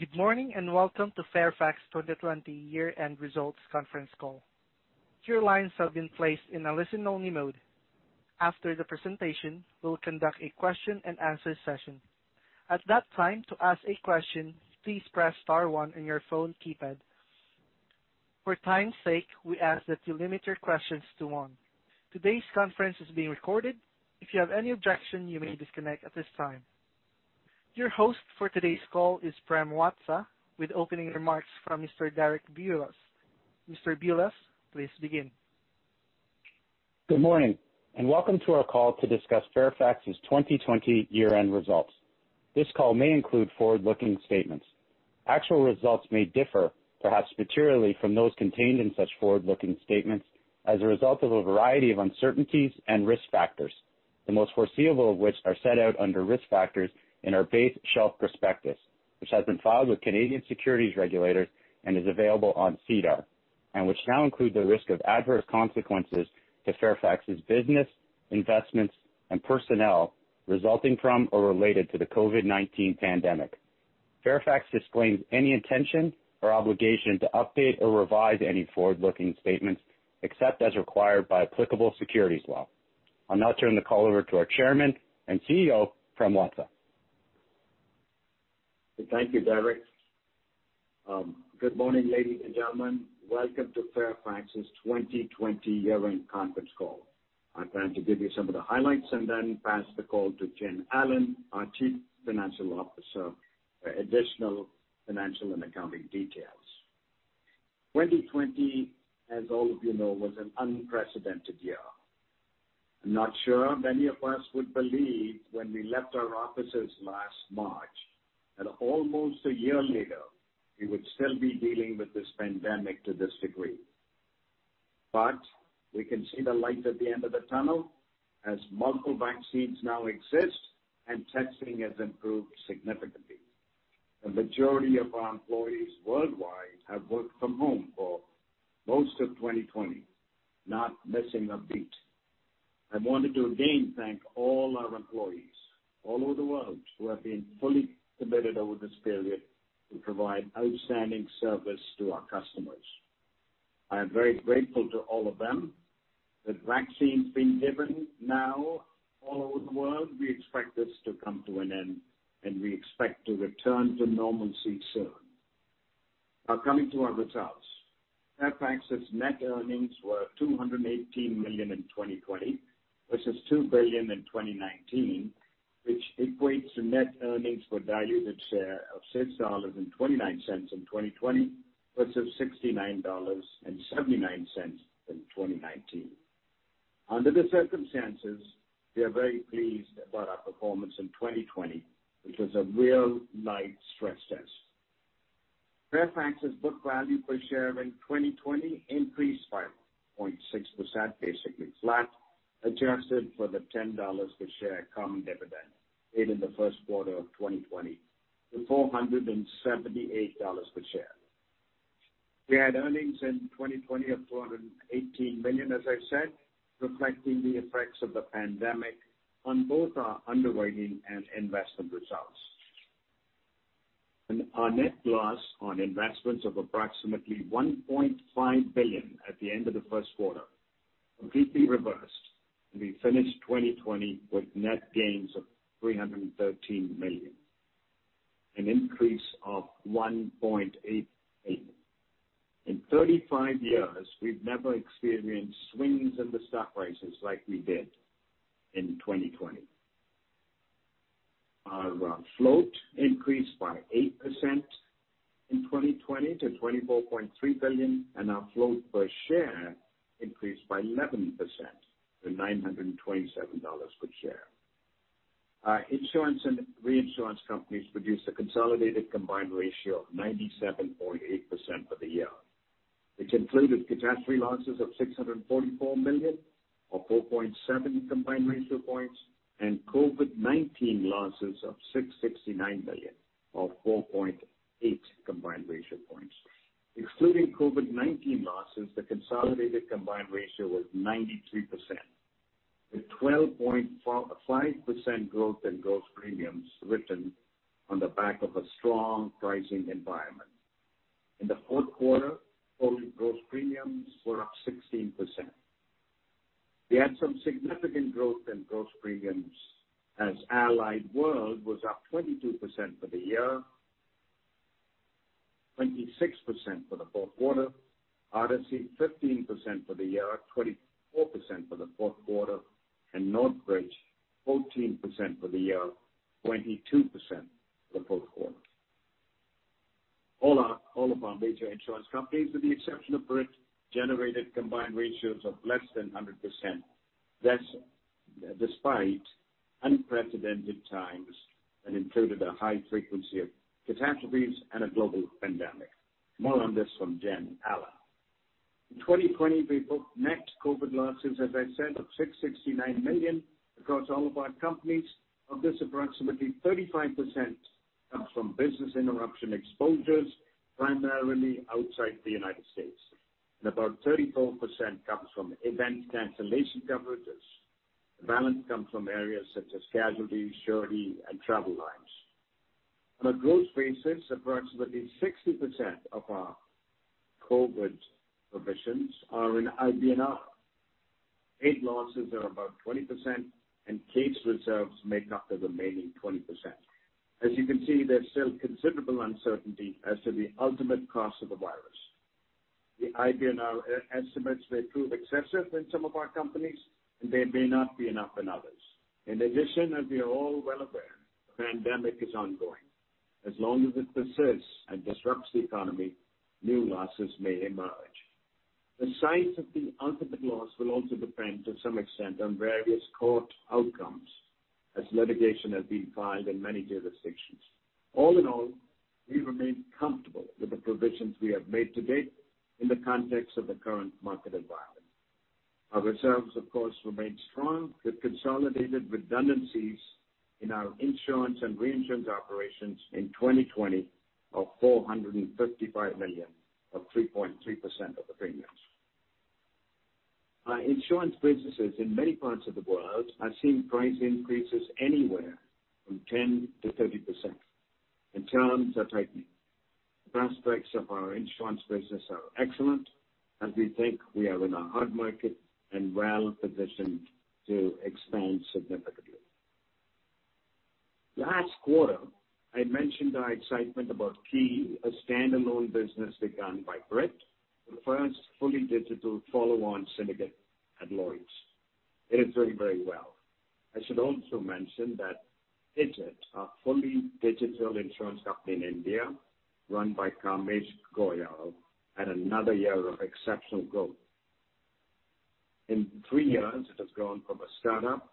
Good morning, welcome to Fairfax 2020 year-end results conference call. Your lines have been placed in a listen-only mode. After the presentation, we'll conduct a question-and-answer session. At that time, to ask a question, please press star one on your phone keypad. For time's sake, we ask that you limit your questions to one. Today's conference is being recorded. If you have any objection, you may disconnect at this time. Your host for today's call is Prem Watsa, with opening remarks from Mr. Derek Bulas. Mr. Bulas, please begin. Good morning, welcome to our call to discuss Fairfax's 2020 year-end results. This call may include forward-looking statements. Actual results may differ, perhaps materially from those contained in such forward-looking statements as a result of a variety of uncertainties and risk factors, the most foreseeable of which are set out under risk factors in our base shelf prospectus, which has been filed with Canadian securities regulators and is available on SEDAR, which now include the risk of adverse consequences to Fairfax's business, investments, and personnel resulting from or related to the COVID-19 pandemic. Fairfax disclaims any intention or obligation to update or revise any forward-looking statements, except as required by applicable securities law. I'll now turn the call over to our Chairman and CEO, Prem Watsa. Thank you, Derek. Good morning, ladies and gentlemen. Welcome to Fairfax's 2020 year-end conference call. I'm going to give you some of the highlights and then pass the call to Jen Allen, our Chief Financial Officer, for additional financial and accounting details. 2020, as all of you know, was an unprecedented year. I'm not sure many of us would believe when we left our offices last March that almost a year later, we would still be dealing with this pandemic to this degree. We can see the light at the end of the tunnel as multiple vaccines now exist and testing has improved significantly. The majority of our employees worldwide have worked from home for most of 2020, not missing a beat. I wanted to again thank all our employees all over the world who have been fully committed over this period to provide outstanding service to our customers. I am very grateful to all of them. With vaccines being given now all over the world, we expect this to come to an end, and we expect to return to normalcy soon. Now, coming to our results. Fairfax's net earnings were $218 million in 2020, versus $2 billion in 2019, which equates to net earnings per diluted share of $6.29 in 2020, versus $69.79 in 2019. Under the circumstances, we are very pleased about our performance in 2020, which was a real life stress test. Fairfax's book value per share in 2020 increased by 0.6%, basically flat, adjusted for the $10 per share common dividend paid in the first quarter of 2020 to $478 per share. We had earnings in 2020 of $218 million, as I said, reflecting the effects of the pandemic on both our underwriting and investment results. Our net loss on investments of approximately $1.5 billion at the end of the first quarter completely reversed, and we finished 2020 with net gains of $313 million, an increase of $1.8 billion. In 35 years, we've never experienced swings in the stock prices like we did in 2020. Our float increased by 8% in 2020 to $24.3 billion, and our float per share increased by 11% to $927 per share. Our insurance and reinsurance companies produced a consolidated combined ratio of 97.8% for the year, which included catastrophe losses of $644 million, or 4.7 combined ratio points, and COVID-19 losses of $669 million, or 4.8 combined ratio points. Excluding COVID-19 losses, the consolidated combined ratio was 93%, with 12.5% growth in gross premiums written on the back of a strong pricing environment. In the fourth quarter, total gross premiums were up 16%. We had some significant growth in gross premiums as Allied World was up 22% for the year, 26% for the fourth quarter, Odyssey 15% for the year, 24% for the fourth quarter, Northbridge 14% for the year, 22% for the fourth quarter. All of our major insurance companies, with the exception of Brit, generated combined ratios of less than 100%. That's despite unprecedented times that included a high frequency of catastrophes and a global pandemic. More on this from Jen Allen. In 2020, we booked net COVID losses, as I said, of $669 million across all of our companies. Of this, approximately 35% comes from business interruption exposures, primarily outside the U.S., about 34% comes from event cancellation coverages. The balance comes from areas such as casualty, surety, and travel lines. On a gross basis, approximately 60% of our COVID provisions are in IBNR. Paid losses are about 20%, and case reserves make up the remaining 20%. As you can see, there's still considerable uncertainty as to the ultimate cost of the virus. The IBNR estimates may prove excessive in some of our companies, and they may not be enough in others. As we are all well aware, the pandemic is ongoing. As long as it persists and disrupts the economy, new losses may emerge. The size of the ultimate loss will also depend to some extent on various court outcomes, as litigation has been filed in many jurisdictions. We remain comfortable with the provisions we have made to date in the context of the current market environment. Our reserves, of course, remain strong, with consolidated redundancies in our insurance and reinsurance operations in 2020 of $455 million, or 3.3% of the premiums. Our insurance businesses in many parts of the world are seeing price increases anywhere from 10%-30%, and terms are tightening. The prospects of our insurance business are excellent, as we think we are in a hard market and well-positioned to expand significantly. Last quarter, I mentioned our excitement about Ki, a standalone business begun by Brit, the first fully digital follow-on syndicate at Lloyd's. It is doing very well. I should also mention that Digit, our fully digital insurance company in India, run by Kamesh Goyal, had another year of exceptional growth. In three years, it has gone from a startup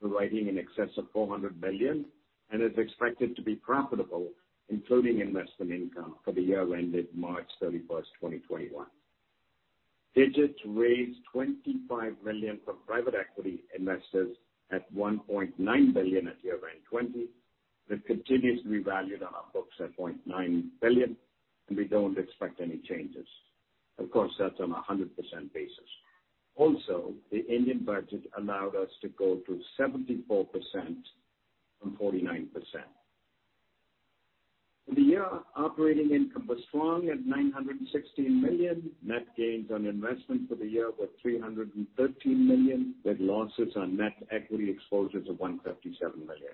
to writing in excess of $400 million and is expected to be profitable, including investment income for the year ended March 31st, 2021. Digit raised $25 million from private equity investors at $1.9 billion at year-end 2020. That continues to be valued on our books at $0.9 billion, and we don't expect any changes. Of course, that's on a 100% basis. Also, the Indian budget allowed us to go to 74% from 49%. For the year, operating income was strong at $916 million. Net gains on investment for the year were $313 million, with losses on net equity exposures of $157 million,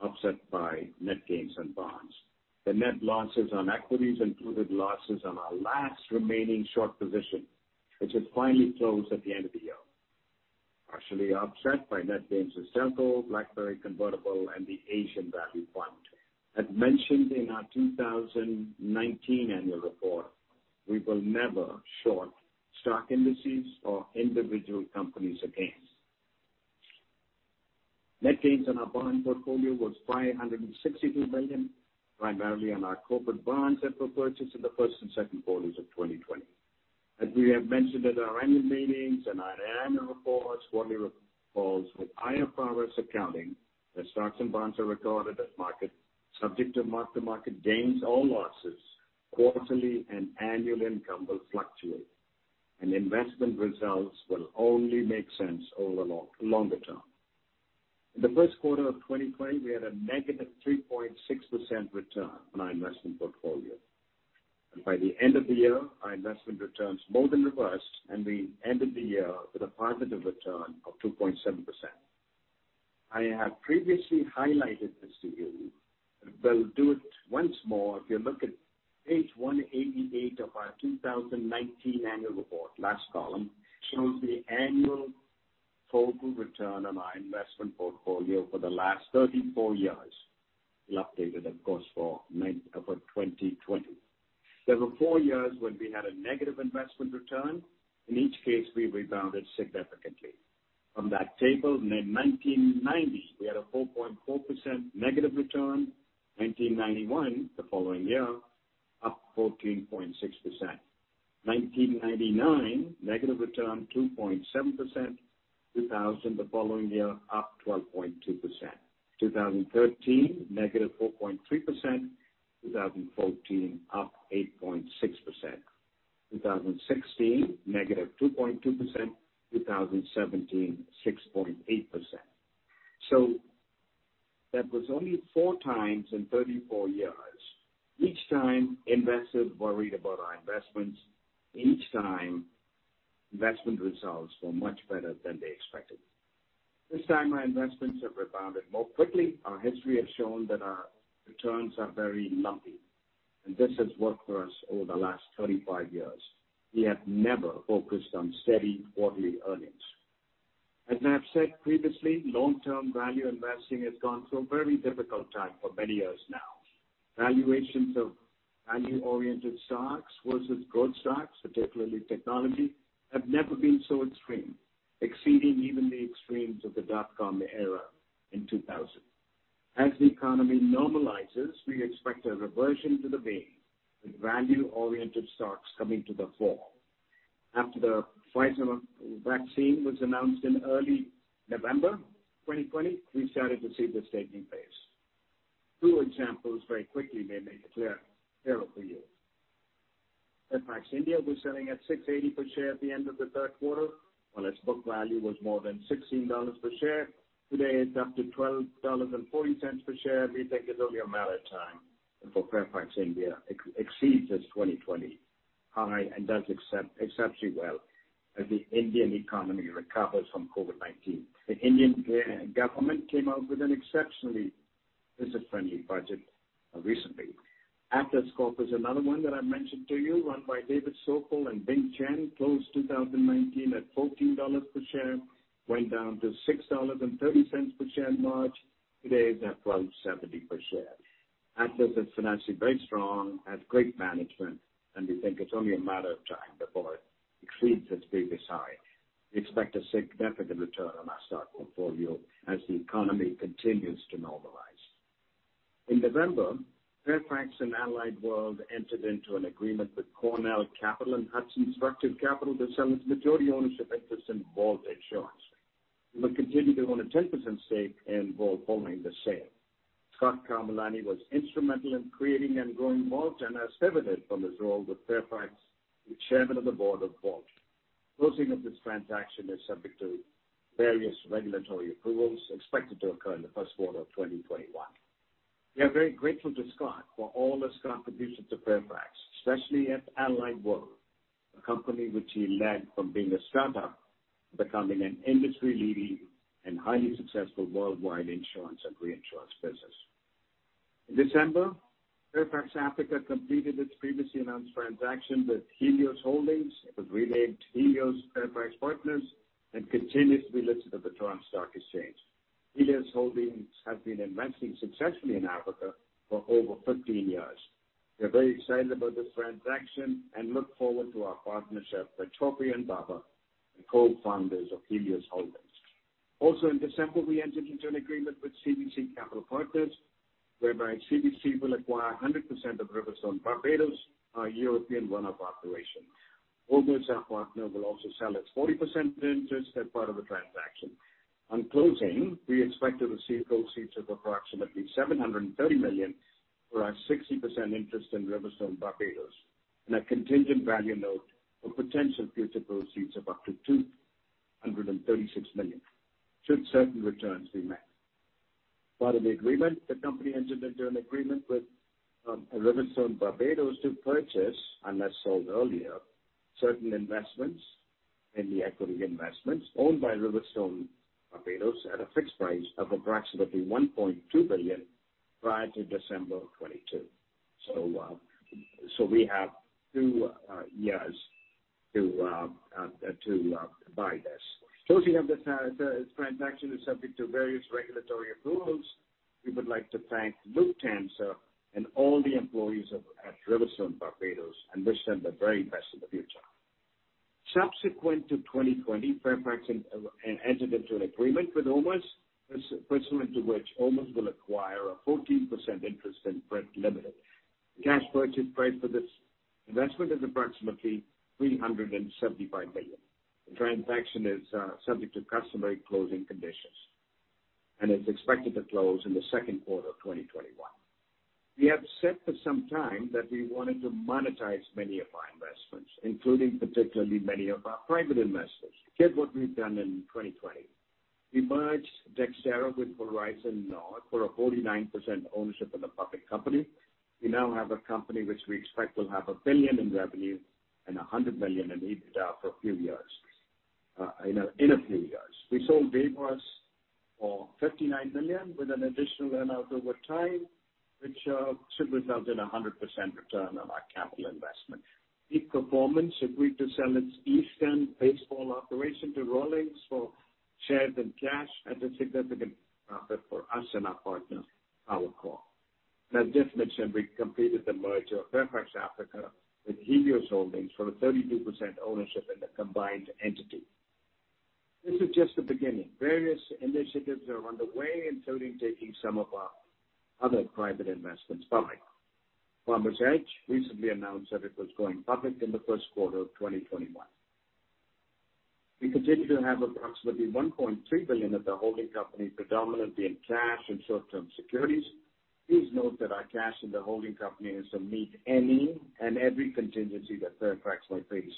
offset by net gains on bonds. The net losses on equities included losses on our last remaining short position, which was finally closed at the end of the year, partially offset by net gains in Central, BlackBerry convertible, and the Hamblin Watsa Asian Fund. As mentioned in our 2019 annual report, we will never short stock indices or individual companies again. Net gains on our bond portfolio was $562 million, primarily on our corporate bonds that were purchased in the first and second quarters of 2020. As we have mentioned at our annual meetings and in our annual reports, quarterly reports, with IFRS accounting that stocks and bonds are recorded at market, subject to mark-to-market gains or losses, quarterly and annual income will fluctuate, and investment results will only make sense over the longer term. In the first quarter of 2020, we had a negative 3.6% return on our investment portfolio. By the end of the year, our investment returns more than reversed, and we ended the year with a positive return of 2.7%. I have previously highlighted this to you, I'll do it once more. If you look at page 188 of our 2019 annual report, last column, shows the annual total return on our investment portfolio for the last 34 years. We updated, of course, for 2020. There were four years when we had a negative investment return. In each case, we rebounded significantly. From that table, in 1990, we had a -4.4% return. 1991, the following year, up 14.6%. 1999, -2.7% return. 2000, the following year, up 12.2%. 2013, -4.3%. 2014, up 8.6%. 2016, -2.2%. 2017, 6.8%. That was only four times in 34 years. Each time, investors worried about our investments. Each time, investment results were much better than they expected. This time, our investments have rebounded more quickly. Our history has shown that our returns are very lumpy, and this has worked for us over the last 35 years. We have never focused on steady quarterly earnings. As I've said previously, long-term value investing has gone through a very difficult time for many years now. Valuations of value-oriented stocks versus growth stocks, particularly technology, have never been so extreme, exceeding even the extremes of the dotcom era in 2000. As the economy normalizes, we expect a reversion to the mean, with value-oriented stocks coming to the fore. After the Pfizer vaccine was announced in early November 2020, we started to see this taking place. Two examples very quickly may make it clear for you. Fairfax India was selling at $6.80 per share at the end of the third quarter, while its book value was more than $16 per share. Today, it's up to $12.40 per share. We think it's only a matter of time before Fairfax India exceeds its 2020 high and does exceptionally well as the Indian economy recovers from COVID-19. The Indian government came out with an exceptionally business-friendly budget recently. Atlas Corp. is another one that I mentioned to you, run by David Sokol and Bing Chen, closed 2019 at $14 per share, went down to $6.30 per share in March. Today, it's at $12.70 per share. Atlas is financially very strong, has great management, and we think it's only a matter of time before it exceeds its previous high. We expect a significant return on our stock portfolio as the economy continues to normalize. In November, Fairfax and Allied World entered into an agreement with Cornell Capital and Hudson Structured Capital Management to sell its majority ownership interest in Vault Insurance. We will continue to own a 10% stake in Vault following the sale. Scott Carmilani was instrumental in creating and growing Vault and as evident from his role with Fairfax, is chairman of the board of Vault. Closing of this transaction is subject to various regulatory approvals expected to occur in the first quarter of 2021. We are very grateful to Scott for all his contributions to Fairfax, especially at Allied World, a company which he led from being a startup to becoming an industry-leading and highly successful worldwide insurance and reinsurance business. In December, Fairfax Africa completed its previously announced transaction with Helios Holdings. It was renamed Helios Fairfax Partners and continues to be listed on the Toronto Stock Exchange. Helios Holdings has been investing successfully in Africa for over 15 years. We are very excited about this transaction and look forward to our partnership with Toby and Baba, the co-founders of Helios Holdings. In December, we entered into an agreement with CVC Capital Partners, whereby CVC will acquire 100% of RiverStone Barbados, our European run-off operation. OMERS, our partner, will also sell its 40% interest as part of the transaction. On closing, we expect to receive proceeds of approximately $730 million for our 60% interest in RiverStone Barbados, and a contingent value note for potential future proceeds of up to $236 million should certain returns be met. Part of the agreement, the company entered into an agreement with RiverStone Barbados to purchase, unless sold earlier, certain investments in the equity investments owned by RiverStone Barbados at a fixed price of approximately $1.2 billion prior to December of 2022. We have two years to buy this. Closing of this transaction is subject to various regulatory approvals. We would like to thank Luke Tanzer and all the employees at RiverStone Barbados and wish them the very best in the future. Subsequent to 2020, Fairfax entered into an agreement with OMERS, pursuant to which OMERS will acquire a 14% interest in Brit Limited. Cash purchase price for this investment is approximately $375 million. The transaction is subject to customary closing conditions. It's expected to close in the second quarter of 2021. We have said for some time that we wanted to monetize many of our investments, including particularly many of our private investments. Here's what we've done in 2020. We merged Dexterra with Horizon North for a 49% ownership in the public company. We now have a company which we expect will have $1 billion in revenue and $100 million in EBITDA in a few years. We sold Baycrest for $59 million with an additional earn-out over time, which should result in 100% return on our capital investment. Peak Performance agreed to sell its Easton baseball operation to Rawlings for shares and cash at a significant profit for us and our partner, Power Corp. I just mentioned, we completed the merger of Fairfax Africa with Helios Holdings for a 32% ownership in the combined entity. This is just the beginning. Various initiatives are underway, including taking some of our other private investments public. Farmers Edge recently announced that it was going public in the first quarter of 2021. We continue to have approximately 1.3 billion of the holding company, predominantly in cash and short-term securities. Please note that our cash in the holding company is to meet any and every contingency that Fairfax may face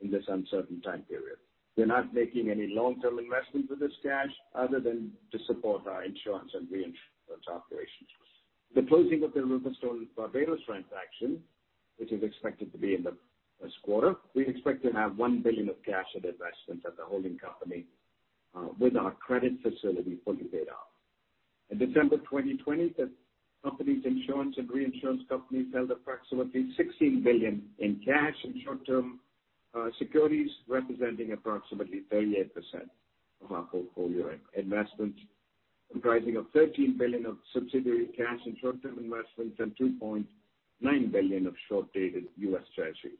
in this uncertain time period. We're not making any long-term investments with this cash other than to support our insurance and reinsurance operations. The closing of the RiverStone Barbados transaction, which is expected to be in this quarter, we expect to have $1 billion of cash and investments at the holding company with our credit facility fully paid off. In December 2020, the company's insurance and reinsurance companies held approximately $16 billion in cash and short-term securities, representing approximately 38% of our portfolio investments, comprising of $13 billion of subsidiary cash and short-term investments, and $2.9 billion of short-dated U.S. Treasuries.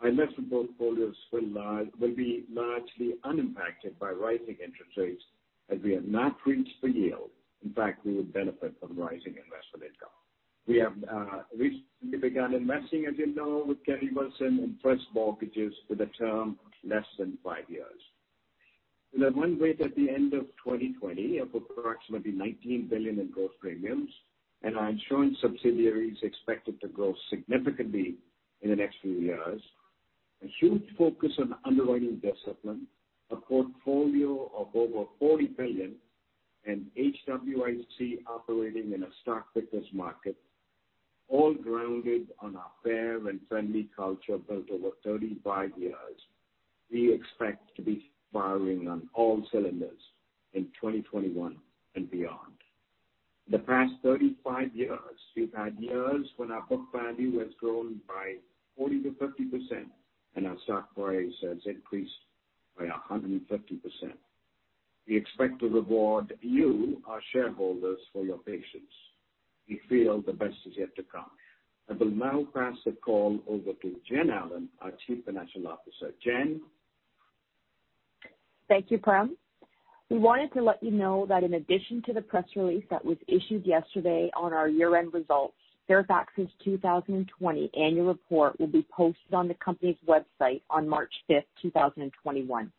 Our investment portfolios will be largely unimpacted by rising interest rates as we have not reached for yield. In fact, we would benefit from rising investment income. We have recently begun investing, as you know, with Kennedy Wilson in first mortgages with a term less than five years. With a run rate at the end of 2020 of approximately $19 billion in gross premiums, and our insurance subsidiary is expected to grow significantly in the next few years. A huge focus on underwriting discipline, a portfolio of over $40 billion, and HWIC operating in a stock picker's market, all grounded on our fair and friendly culture built over 35 years. We expect to be firing on all cylinders in 2021 and beyond. The past 35 years, we've had years when our book value has grown by 40%-50%, and our stock price has increased by 150%. We expect to reward you, our shareholders, for your patience. We feel the best is yet to come. I will now pass the call over to Jen Allen, our Chief Financial Officer. Jen? Thank you, Prem. We wanted to let you know that in addition to the press release that was issued yesterday on our year-end results, Fairfax's 2020 annual report will be posted on the company's website on March 5th, 2021.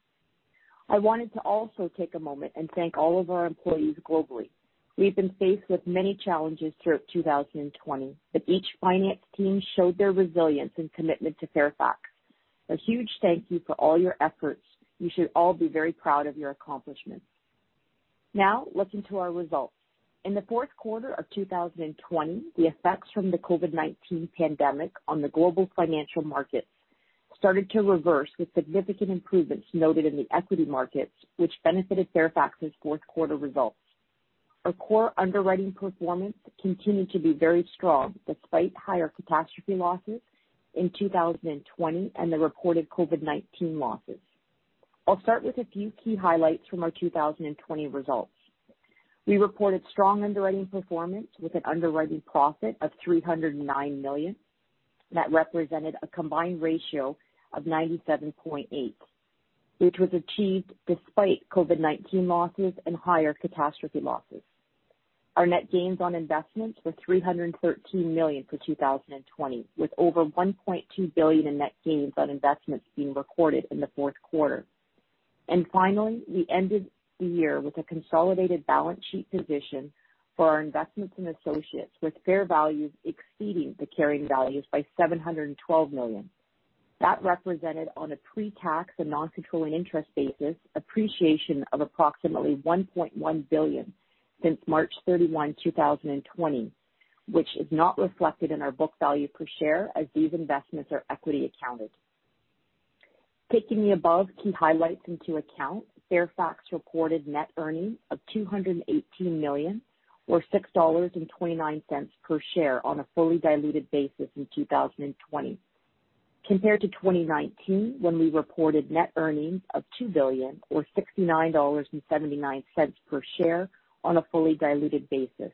I wanted to also take a moment and thank all of our employees globally. We've been faced with many challenges throughout 2020, but each finance team showed their resilience and commitment to Fairfax. A huge thank you for all your efforts. You should all be very proud of your accomplishments. Now, looking to our results. In the fourth quarter of 2020, the effects from the COVID-19 pandemic on the global financial markets started to reverse with significant improvements noted in the equity markets, which benefited Fairfax's fourth quarter results. Our core underwriting performance continued to be very strong despite higher catastrophe losses in 2020 and the reported COVID-19 losses. I'll start with a few key highlights from our 2020 results. We reported strong underwriting performance with an underwriting profit of $309 million. That represented a combined ratio of 97.8%, which was achieved despite COVID-19 losses and higher catastrophe losses. Our net gains on investments were $313 million for 2020, with over $1.2 billion in net gains on investments being recorded in the fourth quarter. Finally, we ended the year with a consolidated balance sheet position for our investments in associates with fair values exceeding the carrying values by $712 million. That represented on a pre-tax and non-controlling interest basis, appreciation of approximately $1.1 billion since March 31, 2020, which is not reflected in our book value per share as these investments are equity accounted. Taking the above key highlights into account, Fairfax reported net earnings of $218 million or $6.29 per share on a fully diluted basis in 2020, compared to 2019, when we reported net earnings of $2 billion or $69.79 per share on a fully diluted basis.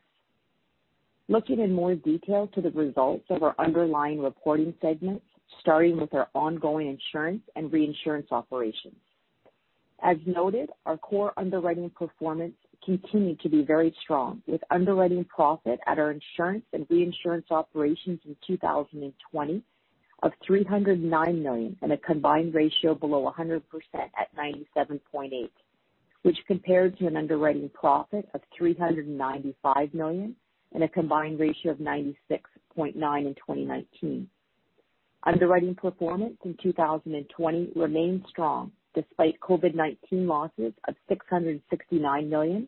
Looking in more detail to the results of our underlying reporting segments, starting with our ongoing insurance and reinsurance operations. As noted, our core underwriting performance continued to be very strong, with underwriting profit at our insurance and reinsurance operations in 2020 of $309 million and a combined ratio below 100% at 97.8%, which compared to an underwriting profit of $395 million and a combined ratio of 96.9% in 2019. Underwriting performance in 2020 remained strong despite COVID-19 losses of $669 million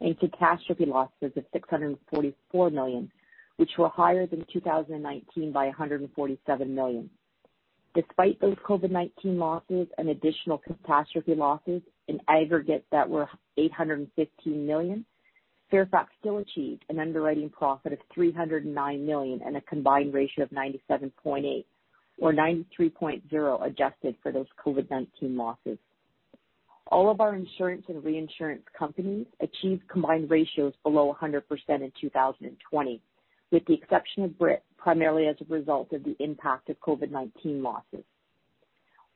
and catastrophe losses of $644 million, which were higher than 2019 by $147 million. Despite those COVID-19 losses and additional catastrophe losses, in aggregate that were $815 million, Fairfax still achieved an underwriting profit of $309 million and a combined ratio of 97.8%, or 93.0% adjusted for those COVID-19 losses. All of our insurance and reinsurance companies achieved combined ratios below 100% in 2020, with the exception of Brit, primarily as a result of the impact of COVID-19 losses.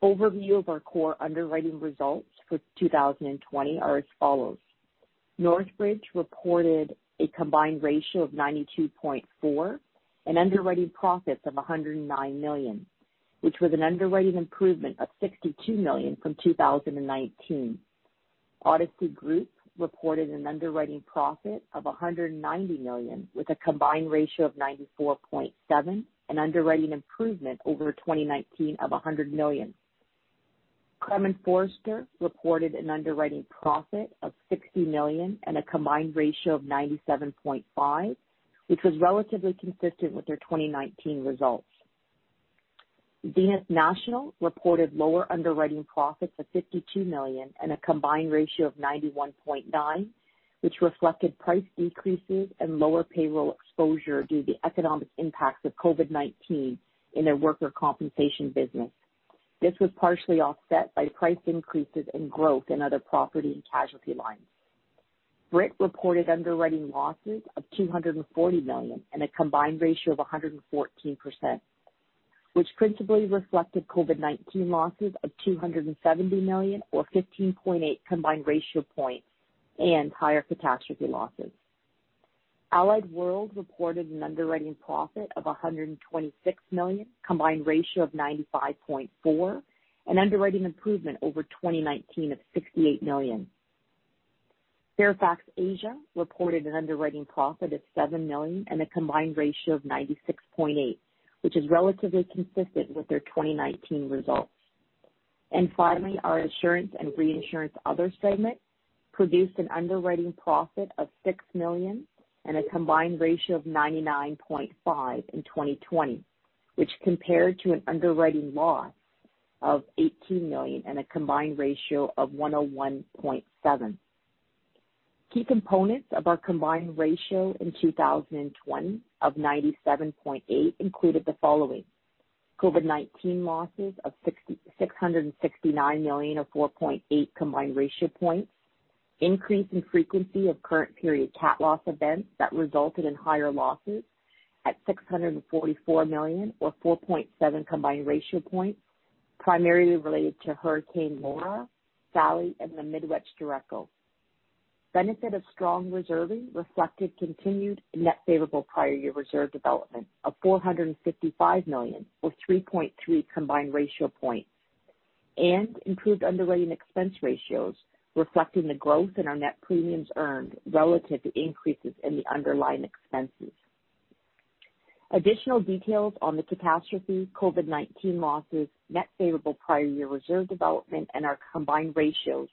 Overview of our core underwriting results for 2020 are as follows. Northbridge reported a combined ratio of 92.4% and underwriting profits of $109 million, which was an underwriting improvement of $62 million from 2019. Odyssey Group reported an underwriting profit of $190 million with a combined ratio of 94.7% and underwriting improvement over 2019 of $100 million. Crum & Forster reported an underwriting profit of $60 million and a combined ratio of 97.5%, which was relatively consistent with their 2019 results. Zenith National reported lower underwriting profits of $52 million and a combined ratio of 91.9%, which reflected price decreases and lower payroll exposure due to the economic impacts of COVID-19 in their workers' compensation business. This was partially offset by price increases and growth in other property and casualty lines. Brit reported underwriting losses of $240 million and a combined ratio of 114%, which principally reflected COVID-19 losses of $270 million or 15.8 combined ratio points and higher catastrophe losses. Allied World reported an underwriting profit of $126 million, combined ratio of 95.4%, an underwriting improvement over 2019 of $68 million. Fairfax Asia reported an underwriting profit of $7 million and a combined ratio of 96.8%, which is relatively consistent with their 2019 results. Our insurance and reinsurance Other Segment produced an underwriting profit of $6 million and a combined ratio of 99.5 in 2020, which compared to an underwriting loss of $18 million and a combined ratio of 101.7. Key components of our combined ratio in 2020 of 97.8 included the following: COVID-19 losses of $669 million, or 4.8 combined ratio points. Increase in frequency of current period cat loss events that resulted in higher losses at $644 million or 4.7 combined ratio points primarily related to Hurricane Laura, Sally, and the Midwest derecho. Benefit of strong reserving reflected continued net favorable prior year reserve development of $455 million, or 3.3 combined ratio points, and improved underwriting expense ratios, reflecting the growth in our net premiums earned relative to increases in the underlying expenses. Additional details on the catastrophe COVID-19 losses, net favorable prior year reserve development, and our combined ratios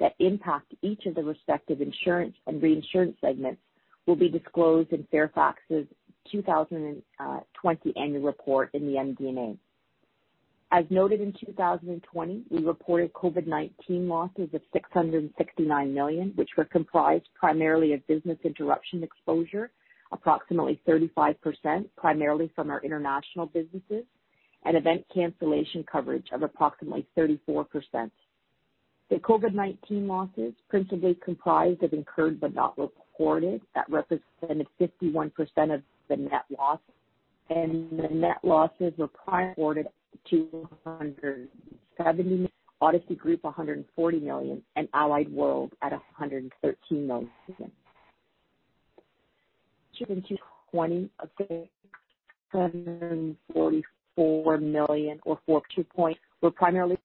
that impact each of the respective insurance and reinsurance segments will be disclosed in Fairfax's 2020 annual report in the MD&A. As noted, in 2020, we reported COVID-19 losses of $669 million, which were comprised primarily of business interruption exposure, approximately 35%, primarily from our international businesses, and event cancellation coverage of approximately 34%. The COVID-19 losses principally comprised of incurred but not reported that represented 51% of the net loss. The net losses were prior ordered $270, Odyssey Group $140 million, and Allied World at $113 million. In 2020, $644 million or 4.2 points were primarily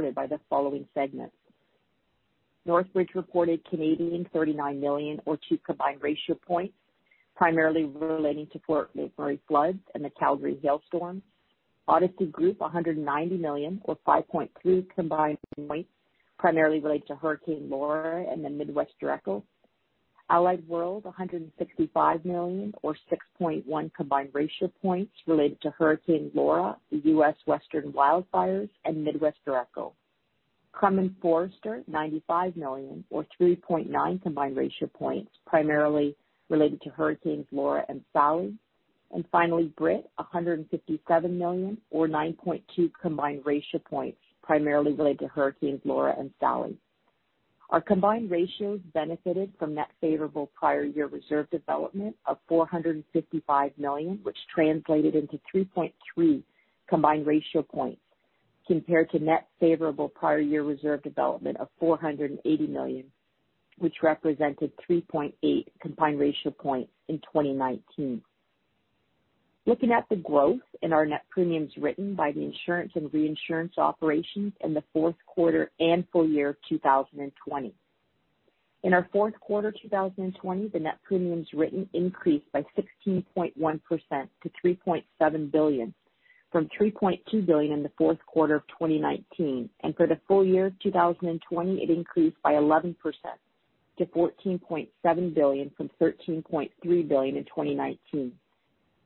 reported by the following segments. Northbridge reported 39 million or two combined ratio points, primarily relating to Fort McMurray floods and the Calgary hailstorm. Odyssey Group, $190 million or 5.3 combined points, primarily related to Hurricane Laura and the Midwest derecho. Allied World, $165 million or 6.1 combined ratio points related to Hurricane Laura, the U.S. Western wildfires, and Midwest derecho. Crum & Forster, $95 million or 3.9 combined ratio points primarily related to Hurricanes Laura and Sally. Finally, Brit, $157 million, or 9.2 combined ratio points, primarily related to Hurricanes Laura and Sally. Our combined ratios benefited from net favorable prior year reserve development of $455 million, which translated into 3.3 combined ratio points compared to net favorable prior year reserve development of $480 million, which represented 3.8 combined ratio points in 2019. Looking at the growth in our net premiums written by the insurance and reinsurance operations in the fourth quarter and full year 2020. In our fourth quarter 2020, the net premiums written increased by 16.1% to $3.7 billion from $3.2 billion in the fourth quarter of 2019. For the full year 2020, it increased by 11% to $14.7 billion from $13.3 billion in 2019.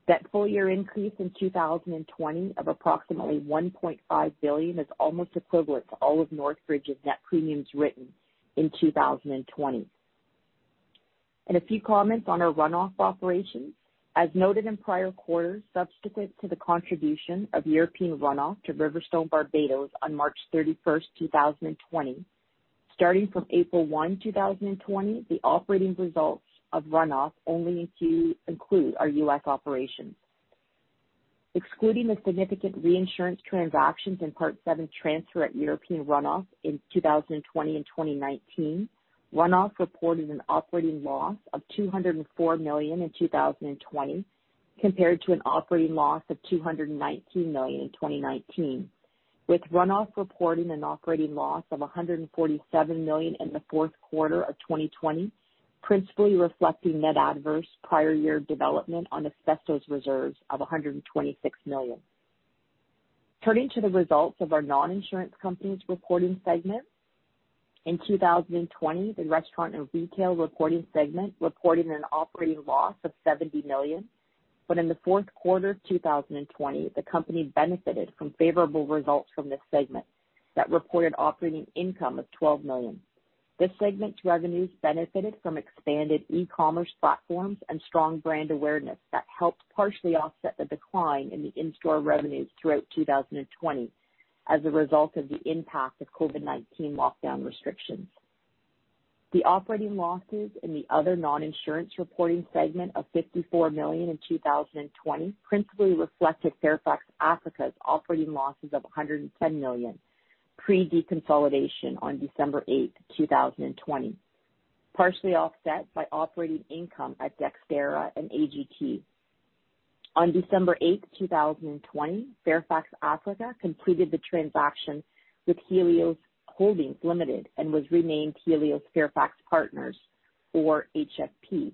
That full-year increase in 2020 of approximately $1.5 billion is almost equivalent to all of Northbridge's net premiums written in 2020. A few comments on our Run-off operations. As noted in prior quarters, subsequent to the contribution of European run-off to RiverStone Barbados on March 31st, 2020, starting from April 1, 2020, the operating results of Run-off only include our U.S. operations. Excluding the significant reinsurance transactions and Part VII transfer at European run-off in 2020 and 2019, Run-off reported an operating loss of $204 million in 2020 compared to an operating loss of $219 million in 2019, with Run-off reporting an operating loss of $147 million in the fourth quarter of 2020, principally reflecting net adverse prior year development on asbestos reserves of $126 million. Turning to the results of our non-insurance companies reporting segments. In 2020, the restaurant and retail reporting segment reported an operating loss of $70 million. In the fourth quarter of 2020, the company benefited from favorable results from this segment that reported operating income of $12 million. This segment's revenues benefited from expanded e-commerce platforms and strong brand awareness that helped partially offset the decline in the in-store revenues throughout 2020 as a result of the impact of COVID-19 lockdown restrictions. The operating losses in the other non-insurance reporting segment of $54 million in 2020 principally reflected Fairfax Africa's operating losses of $110 million pre-deconsolidation on December 8, 2020, partially offset by operating income at Dexterra and AGT. On December 8, 2020, Fairfax Africa completed the transaction with Helios Holdings Limited and was renamed Helios Fairfax Partners or HFP.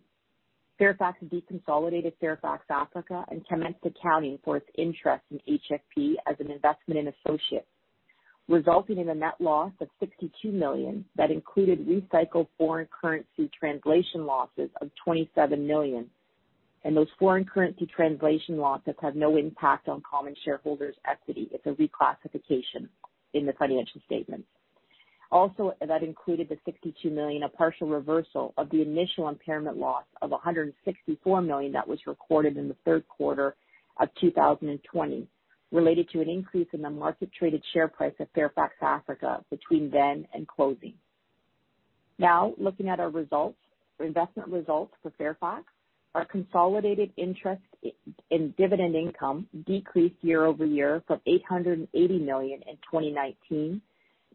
Fairfax deconsolidated Fairfax Africa and commenced accounting for its interest in HFP as an investment in associates, resulting in a net loss of $62 million that included recycled foreign currency translation losses of $27 million. Those foreign currency translation losses have no impact on common shareholders' equity. It's a reclassification in the financial statements. That included the $62 million, a partial reversal of the initial impairment loss of $164 million that was recorded in the third quarter of 2020, related to an increase in the market-traded share price of Fairfax Africa between then and closing. Looking at our results, our investment results for Fairfax, our consolidated interest in dividend income decreased year-over-year from $880 million in 2019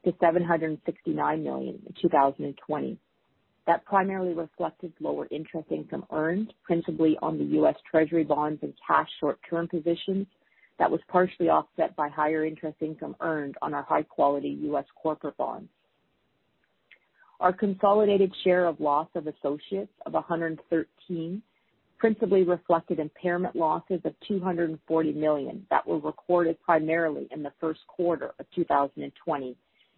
to $769 million in 2020. That primarily reflected lower interest income earned principally on the U.S. Treasury bonds and cash short-term positions that was partially offset by higher interest income earned on our high-quality U.S. corporate bonds. Our consolidated share of loss of associates of $113 principally reflected impairment losses of $240 million that were recorded primarily in the first quarter of 2020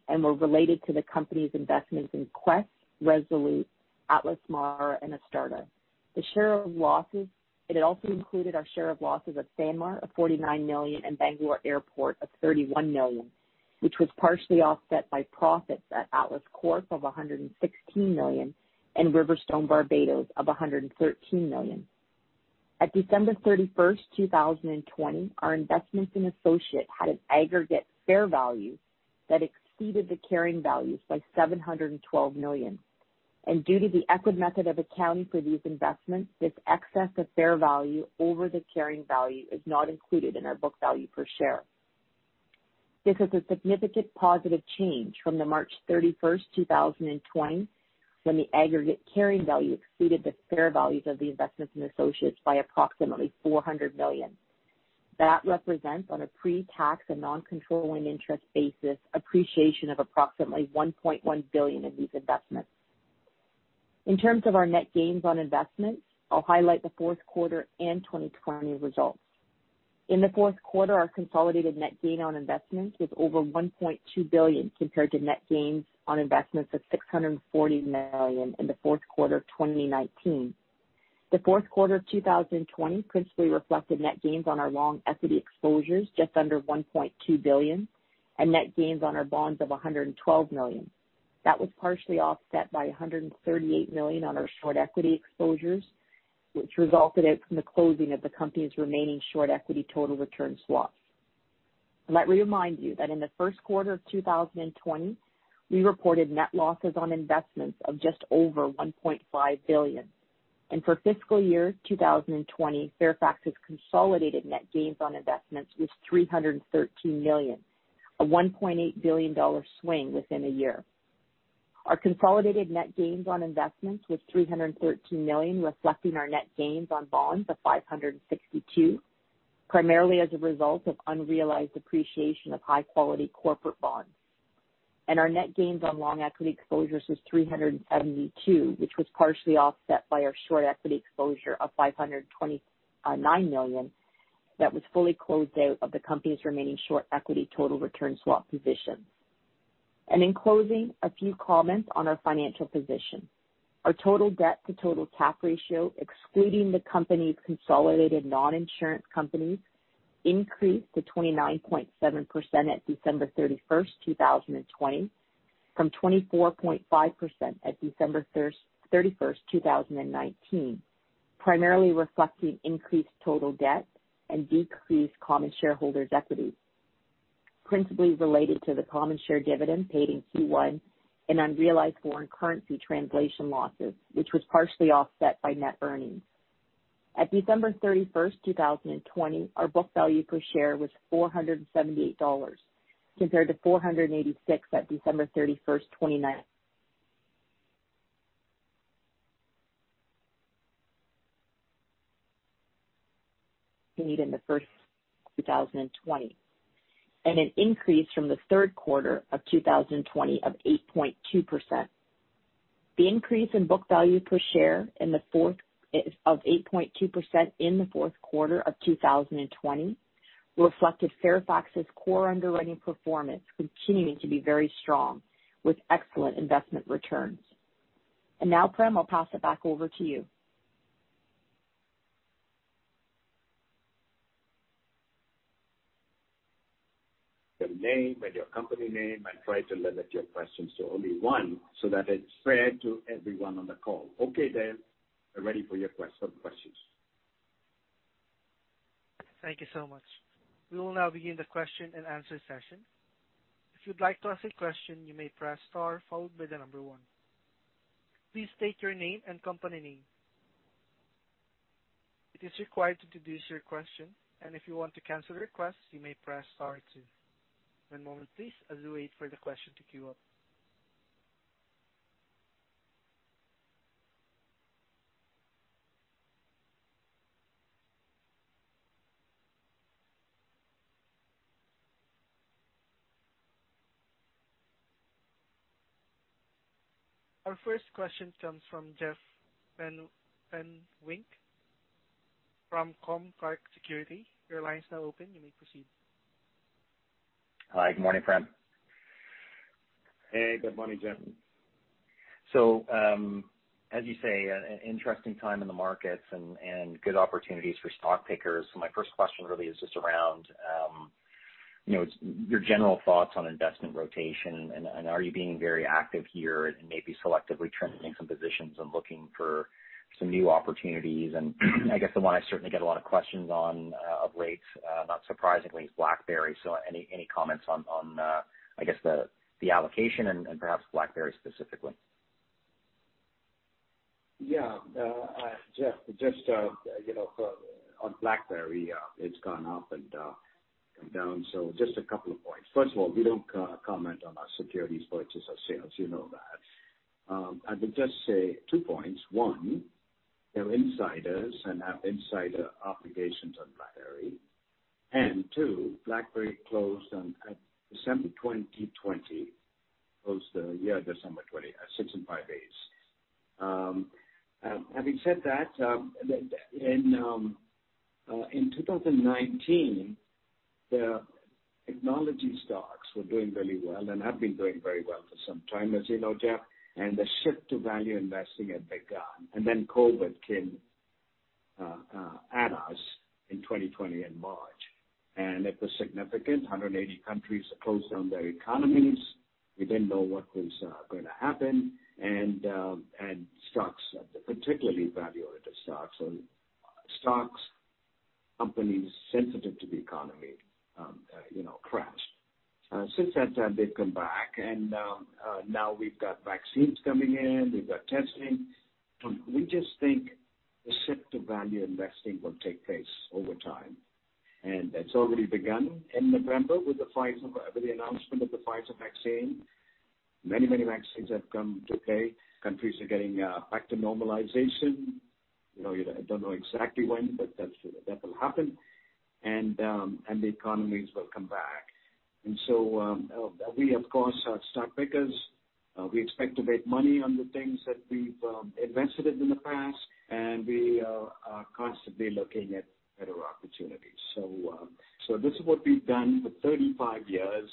and were related to the company's investments in Quess, Resolute, Atlas Mara, and Astarta. It also included our share of losses at Sanmar of $49 million and Bangalore Airport of $31 million, which was partially offset by profits at Atlas Corp. of $116 million and RiverStone Barbados of $113 million. At December 31, 2020, our investments in associate had an aggregate fair value that exceeded the carrying values by $712 million. Due to the equity method of accounting for these investments, this excess of fair value over the carrying value is not included in our book value per share. This is a significant positive change from the March 31, 2020, when the aggregate carrying value exceeded the fair values of the investments in associates by approximately $400 million. That represents on a pre-tax and non-controlling interest basis appreciation of approximately $1.1 billion in these investments. In terms of our net gains on investments, I'll highlight the fourth quarter and 2020 results. In the fourth quarter, our consolidated net gain on investments was over $1.2 billion compared to net gains on investments of $640 million in the fourth quarter of 2019. The fourth quarter of 2020 principally reflected net gains on our long equity exposures just under $1.2 billion and net gains on our bonds of $112 million. That was partially offset by $138 million on our short equity exposures, which resulted out from the closing of the company's remaining short equity total return swap. Let me remind you that in the first quarter of 2020, we reported net losses on investments of just over $1.5 billion. For fiscal year 2020, Fairfax's consolidated net gains on investments was $313 million, a $1.8 billion swing within a year. Our consolidated net gains on investments was $313 million, reflecting our net gains on bonds of $562 million, primarily as a result of unrealized appreciation of high-quality corporate bonds. Our net gains on long equity exposures was $372 million, which was partially offset by our short equity exposure of $529 million that was fully closed out of the company's remaining short equity total return swap position. In closing, a few comments on our financial position. Our total debt to total cap ratio, excluding the company's consolidated non-insurance companies, increased to 29.7% at December 31st, 2020 from 24.5% at December 31st, 2019, primarily reflecting increased total debt and decreased common shareholders' equity, principally related to the common share dividend paid in Q1 and unrealized foreign currency translation losses, which was partially offset by net earnings. At December 31st, 2020, our book value per share was $478 compared to $486 at December 31st, 2019, and an increase from the third quarter of 2020 of 8.2%. The increase in book value per share of 8.2% in the fourth quarter of 2020 reflected Fairfax's core underwriting performance continuing to be very strong with excellent investment returns. Now, Prem, I'll pass it back over to you. Your name and your company name and try to limit your questions to only one so that it's fair to everyone on the call. Okay, Dale, we're ready for your questions. Thank you so much. We will now begin the question-and-answer session. If you'd like to ask a question you may press star followed by the number one, please state your name and company name, it is required to introduce your question, and if you want to cancel request, you may press star two. One moment please as we wait for the question to queue up. Our first question comes from Jeff Fenwick from Cormark Securities. Your line is now open. You may proceed. Hi, good morning, Prem. Hey, good morning, Jeff. As you say, an interesting time in the markets and good opportunities for stock pickers. My first question really is just around your general thoughts on investment rotation and are you being very active here and maybe selectively trimming some positions and looking for some new opportunities? I guess the one I certainly get a lot of questions on of late, not surprisingly, is BlackBerry. Any comments on, I guess, the allocation and perhaps BlackBerry specifically? Jeff, just on BlackBerry, it's gone up and come down. Just a couple of points. First of all, we don't comment on our securities purchases or sales, you know that. I would just say two points. One, they're insiders and have insider obligations on BlackBerry. Two, BlackBerry closed on December 2020, closed the year December 20, six and five eights. Having said that, in 2019, the technology stocks were doing very well and have been doing very well for some time, as you know, Jeff, and the shift to value investing had begun. Then COVID-19 came at us in 2020 in March, and it was significant. 180 countries closed down their economies. We didn't know what was going to happen. Stocks, particularly value-oriented stocks, companies sensitive to the economy crashed. Since that time, they've come back and now we've got vaccines coming in. We've got testing. We just think the shift to value investing will take place over time, and that's already begun in November with the Pfizer, with the announcement of the Pfizer vaccine. Many vaccines have come to play. Countries are getting back to normalization. You don't know exactly when, but that will happen. The economies will come back. We, of course, are stock pickers. We expect to make money on the things that we've invested in in the past, and we are constantly looking at better opportunities. This is what we've done for 35 years.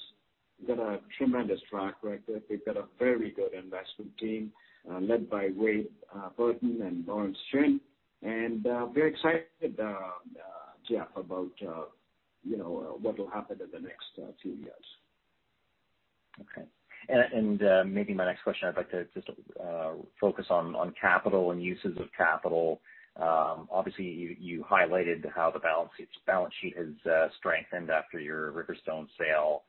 We've got a tremendous track record. We've got a very good investment team led by Wade Burton and Lawrence Chin. Very excited, Jeff, about what will happen in the next few years. Okay. Maybe my next question, I'd like to just focus on capital and uses of capital. Obviously, you highlighted how the balance sheet has strengthened after your RiverStone sale.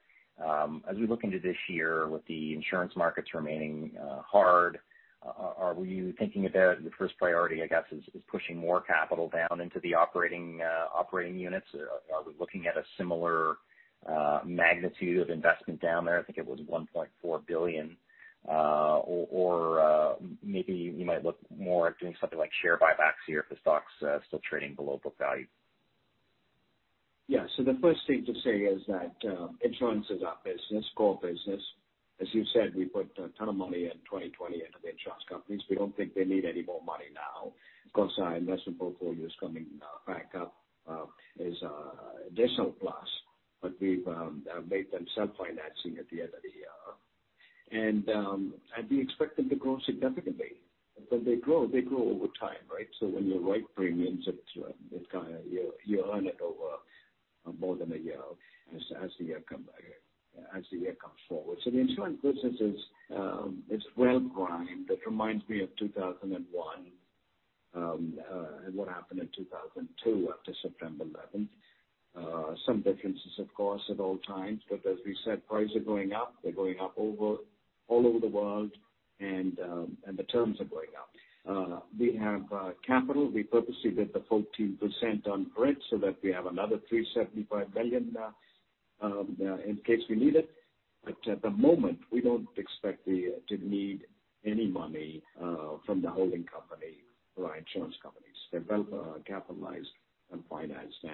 As we look into this year with the insurance markets remaining hard, are you thinking about the first priority, I guess, is pushing more capital down into the operating units? Are we looking at a similar magnitude of investment down there? I think it was $1.4 billion. Maybe you might look more at doing something like share buybacks here if the stock's still trading below book value. Yeah. The first thing to say is that insurance is our business, core business. As you said, we put a ton of money in 2020 into the insurance companies. We don't think they need any more money now because our investment portfolio is coming back up as additional plus. We've made them self-financing at the end of the year. We expect them to grow significantly. They grow over time, right? When you write premiums, you earn it over more than a year as the year comes forward. The insurance business is well primed. It reminds me of 2001, and what happened in 2002 after 9/11. Some differences, of course, at all times, but as we said, prices are going up. They're going up all over the world, and the terms are going up. We have capital. We purposely did the 14% on Brit so that we have another $375 million in case we need it. At the moment, we don't expect to need any money from the holding company for our insurance companies. They're well capitalized and financed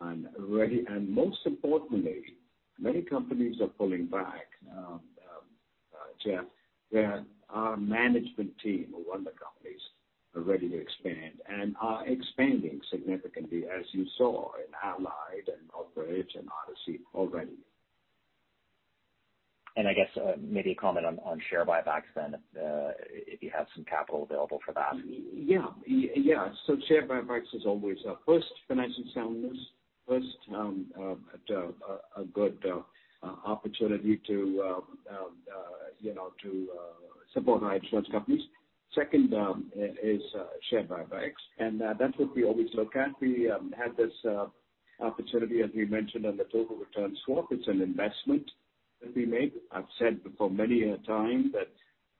and ready. Most importantly, many companies are pulling back, Jeff, where our management team who run the companies are ready to expand and are expanding significantly, as you saw in Allied and Northbridge and Odyssey already. I guess maybe a comment on share buybacks then, if you have some capital available for that. Share buybacks is always first financial soundness. First, a good opportunity to support our insurance companies. Second is share buybacks, and that's what we always look at. We had this opportunity, as we mentioned, on the total return swap. It's an investment that we made. I've said before many a time that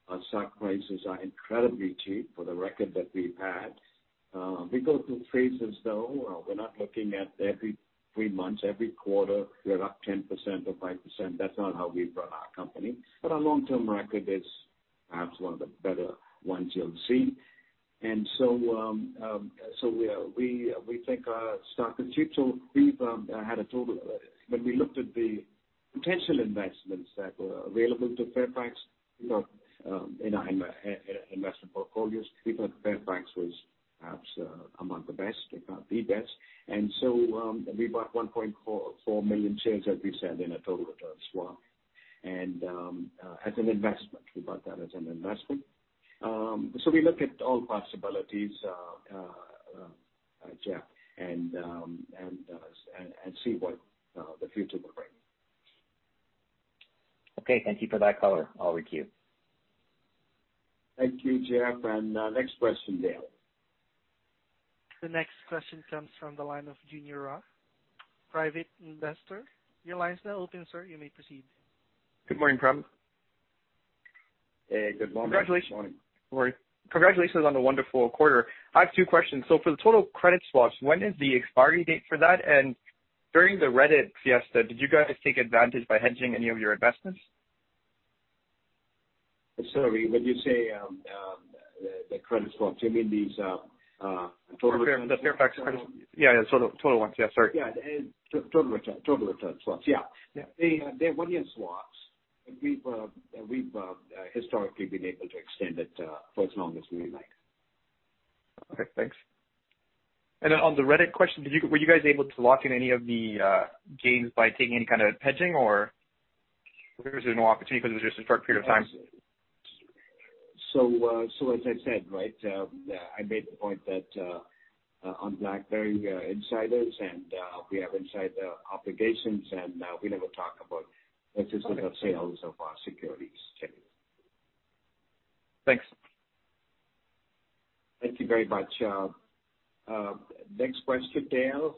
our stock prices are incredibly cheap for the record that we've had. We go through phases, though. We're not looking at every three months, every quarter, we're up 10% or 5%. That's not how we run our company, but our long-term record is perhaps one of the better ones you'll see. We think our stock is cheap. When we looked at the potential investments that were available to Fairfax in our investment portfolios, we thought Fairfax was perhaps among the best, if not the best. We bought 1.4 million shares, as we said, in a total return swap. As an investment. We bought that as an investment. We look at all possibilities, Jeff, and see what the future will bring. Okay. Thank you for that color. Over to you. Thank you, Jeff. Next question, Dale. The next question comes from the line of Junior Roth, private investor. Your line is now open, sir. You may proceed. Good morning, Prem. Hey, good morning. Congratulations on a wonderful quarter. I have two questions. For the total return swaps, when is the expiry date for that? During the Reddit fiesta, did you guys take advantage by hedging any of your investments? Sorry, when you say the credit swaps, you mean these total returns? The Fairfax credits. Yeah, total ones. Yeah, sorry. Yeah. Total return swaps. Yeah. They're one-year swaps, and we've historically been able to extend it for as long as we like. Okay, thanks. On the Reddit question, were you guys able to lock in any of the gains by taking any kind of hedging, or was there no opportunity because it was just a short period of time? As I said, right, I made the point that on BlackBerry, we are insiders and we have insider obligations, and we never talk about potential sales of our securities. Thanks. Thank you very much. Next question, Dale.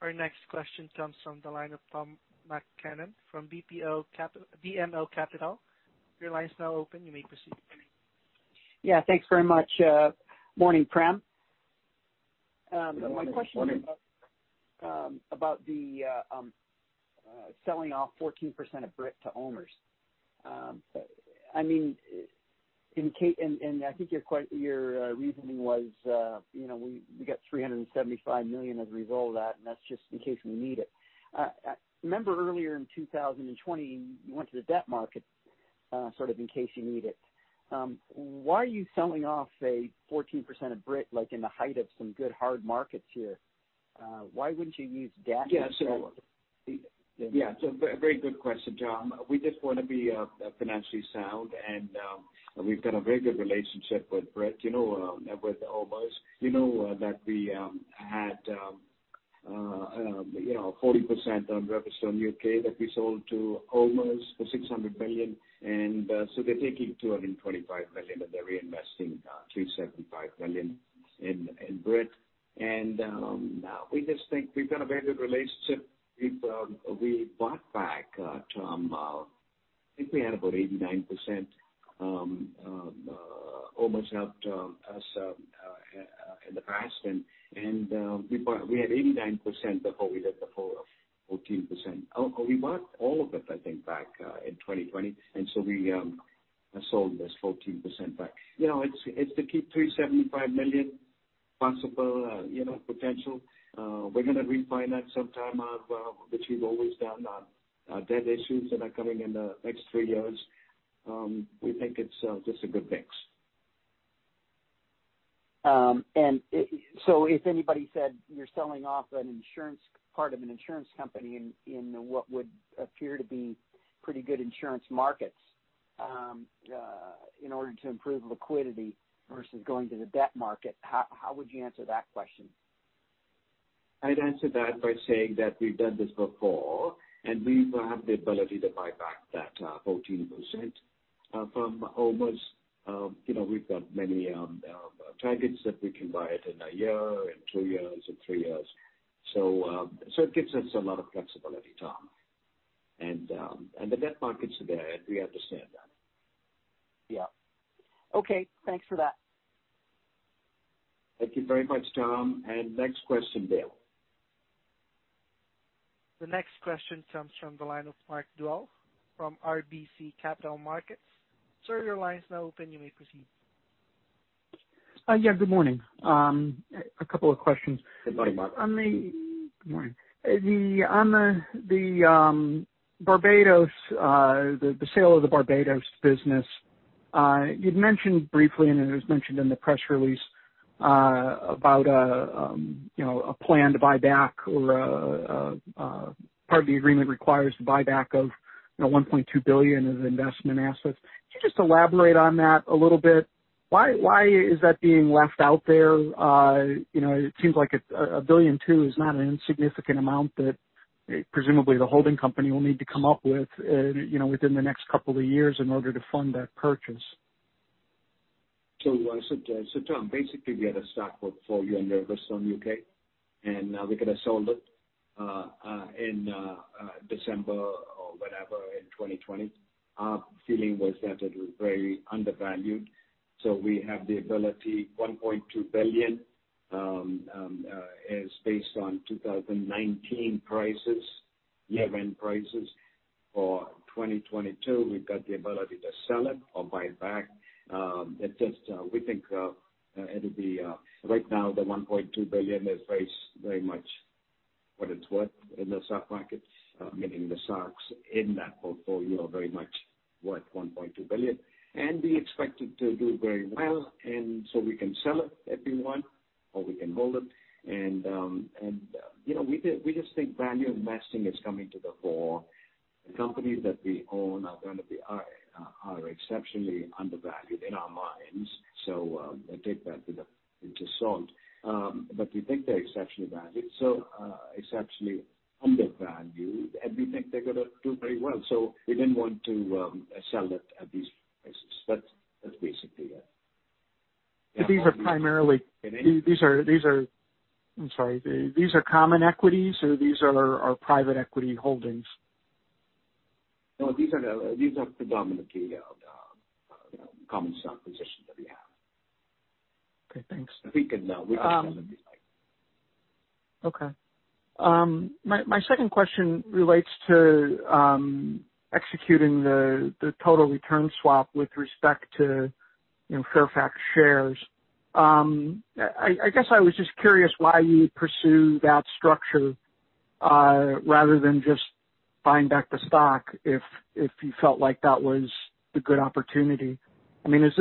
Our next question comes from the line of Tom MacKinnon from BMO Capital. Your line is now open. You may proceed. Yeah. Thanks very much. Morning, Prem. Morning. My question is about the selling off 14% of Brit to OMERS. I think your reasoning was we got $375 million as a result of that, and that's just in case we need it. I remember earlier in 2020, you went to the debt market sort of in case you need it. Why are you selling off a 14% of Brit, like in the height of some good hard markets here? Why wouldn't you use debt instead? Yeah. It is a very good question, Tom. We just want to be financially sound and we have got a very good relationship with Brit, with OMERS. You know that we had 40% on RiverStone UK that we sold to OMERS for $600 million. So they are taking $225 million, but they are reinvesting $375 million in Brit. We just think we have got a very good relationship. We bought back, Tom, I think we had about 89%. OMERS helped us in the past, and we had 89% before we did the full 14%. We bought all of it, I think, back in 2020. So we sold this 14% back. It is to keep $375 million possible potential. We are going to refinance some term, which we have always done, on debt issues that are coming in the next three years. We think it is just a good mix. If anybody said you're selling off part of an insurance company in what would appear to be pretty good insurance markets in order to improve liquidity versus going to the debt market, how would you answer that question? I'd answer that by saying that we've done this before, and we have the ability to buy back that 14% from OMERS. We've got many targets that we can buy it in a year, in two years, in three years. It gives us a lot of flexibility, Tom. The debt markets are there. We understand that. Yeah. Okay. Thanks for that. Thank you very much, Tom. Next question, Dale. The next question comes from the line of Mark Dwelle from RBC Capital Markets. Yeah, good morning. A couple of questions. Good morning, Mark. Good morning. On the sale of the Barbados business, you had mentioned briefly, and it was mentioned in the press release, about a plan to buy back or part of the agreement requires the buyback of $1.2 billion of investment assets. Could you just elaborate on that a little bit? Why is that being left out there? It seems like $1.2 billion is not an insignificant amount that presumably the holding company will need to come up with within the next couple of years in order to fund that purchase. Tom, basically we had a stock portfolio under RiverStone in U.K., and we could have sold it in December or whenever in 2020. Our feeling was that it was very undervalued. We have the ability, $1.2 billion is based on 2019 prices, year-end prices. For 2022, we've got the ability to sell it or buy it back. We think it'll be, right now the $1.2 billion is very much what it's worth in the stock markets, meaning the stocks in that portfolio are very much worth $1.2 billion. We expect it to do very well, so we can sell it if we want, or we can hold it. We just think value investing is coming to the fore. The companies that we own are exceptionally undervalued in our minds, so take that with a pinch of salt. We think they're exceptionally undervalued, and we think they're going to do very well. We didn't want to sell it at these prices. That's basically it. These are common equities, or these are private equity holdings? No, these are predominantly common stock positions that we have. Okay, thanks. We can sell them if we like. Okay. My second question relates to executing the total return swap with respect to Fairfax shares. I guess I was just curious why you would pursue that structure rather than just buying back the stock if you felt like that was the good opportunity? Is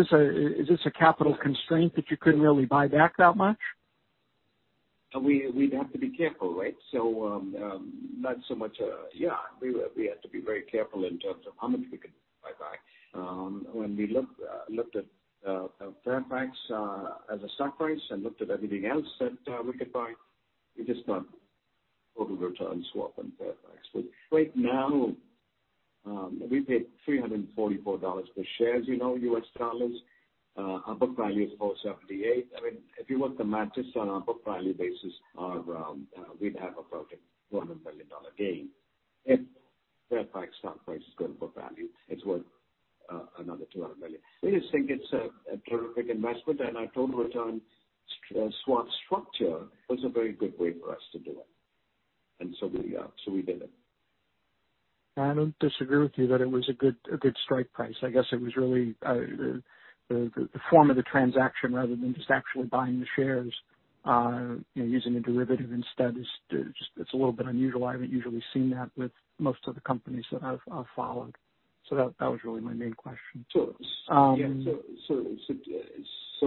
this a capital constraint that you couldn't really buy back that much? We'd have to be careful, right? Not so much. We had to be very careful in terms of how much we could buy back. When we looked at Fairfax as a stock price and looked at everything else that we could buy, we just went total return swap on Fairfax. Right now, we paid $344 per share, as you know, U.S. dollars. Our book value is $478. If you want the matches on a book value basis, we'd have about a $200 million gain if Fairfax stock price is going book value. It's worth another $200 million. We just think it's a terrific investment, and a total return swap structure was a very good way for us to do it, and so we did it. I don't disagree with you that it was a good strike price. I guess it was really the form of the transaction rather than just actually buying the shares. Using a derivative instead, it's a little bit unusual. I haven't usually seen that with most of the companies that I've followed. That was really my main question.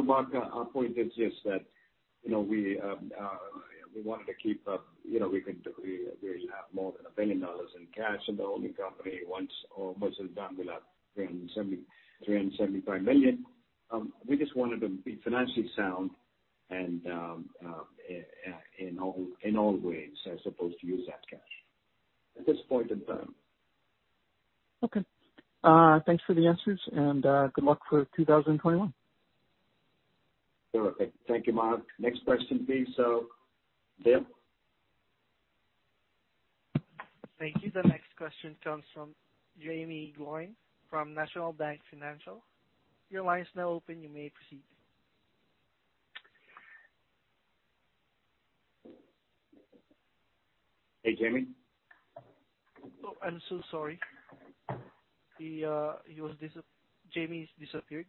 Mark, our point is just that we wanted to keep up. We have more than $1 billion in cash in the holding company. Once all merger is done, we'll have $375 million. We just wanted to be financially sound in all ways as opposed to use that cash at this point in time. Okay. Thanks for the answers. Good luck for 2021. Terrific. Thank you, Mark. Next question, please. Dale? Thank you. The next question comes from Jaeme Gloyn from National Bank Financial. Your line is now open. You may proceed. Hey, Jaeme. Oh, I'm so sorry. Jaeme's disappeared.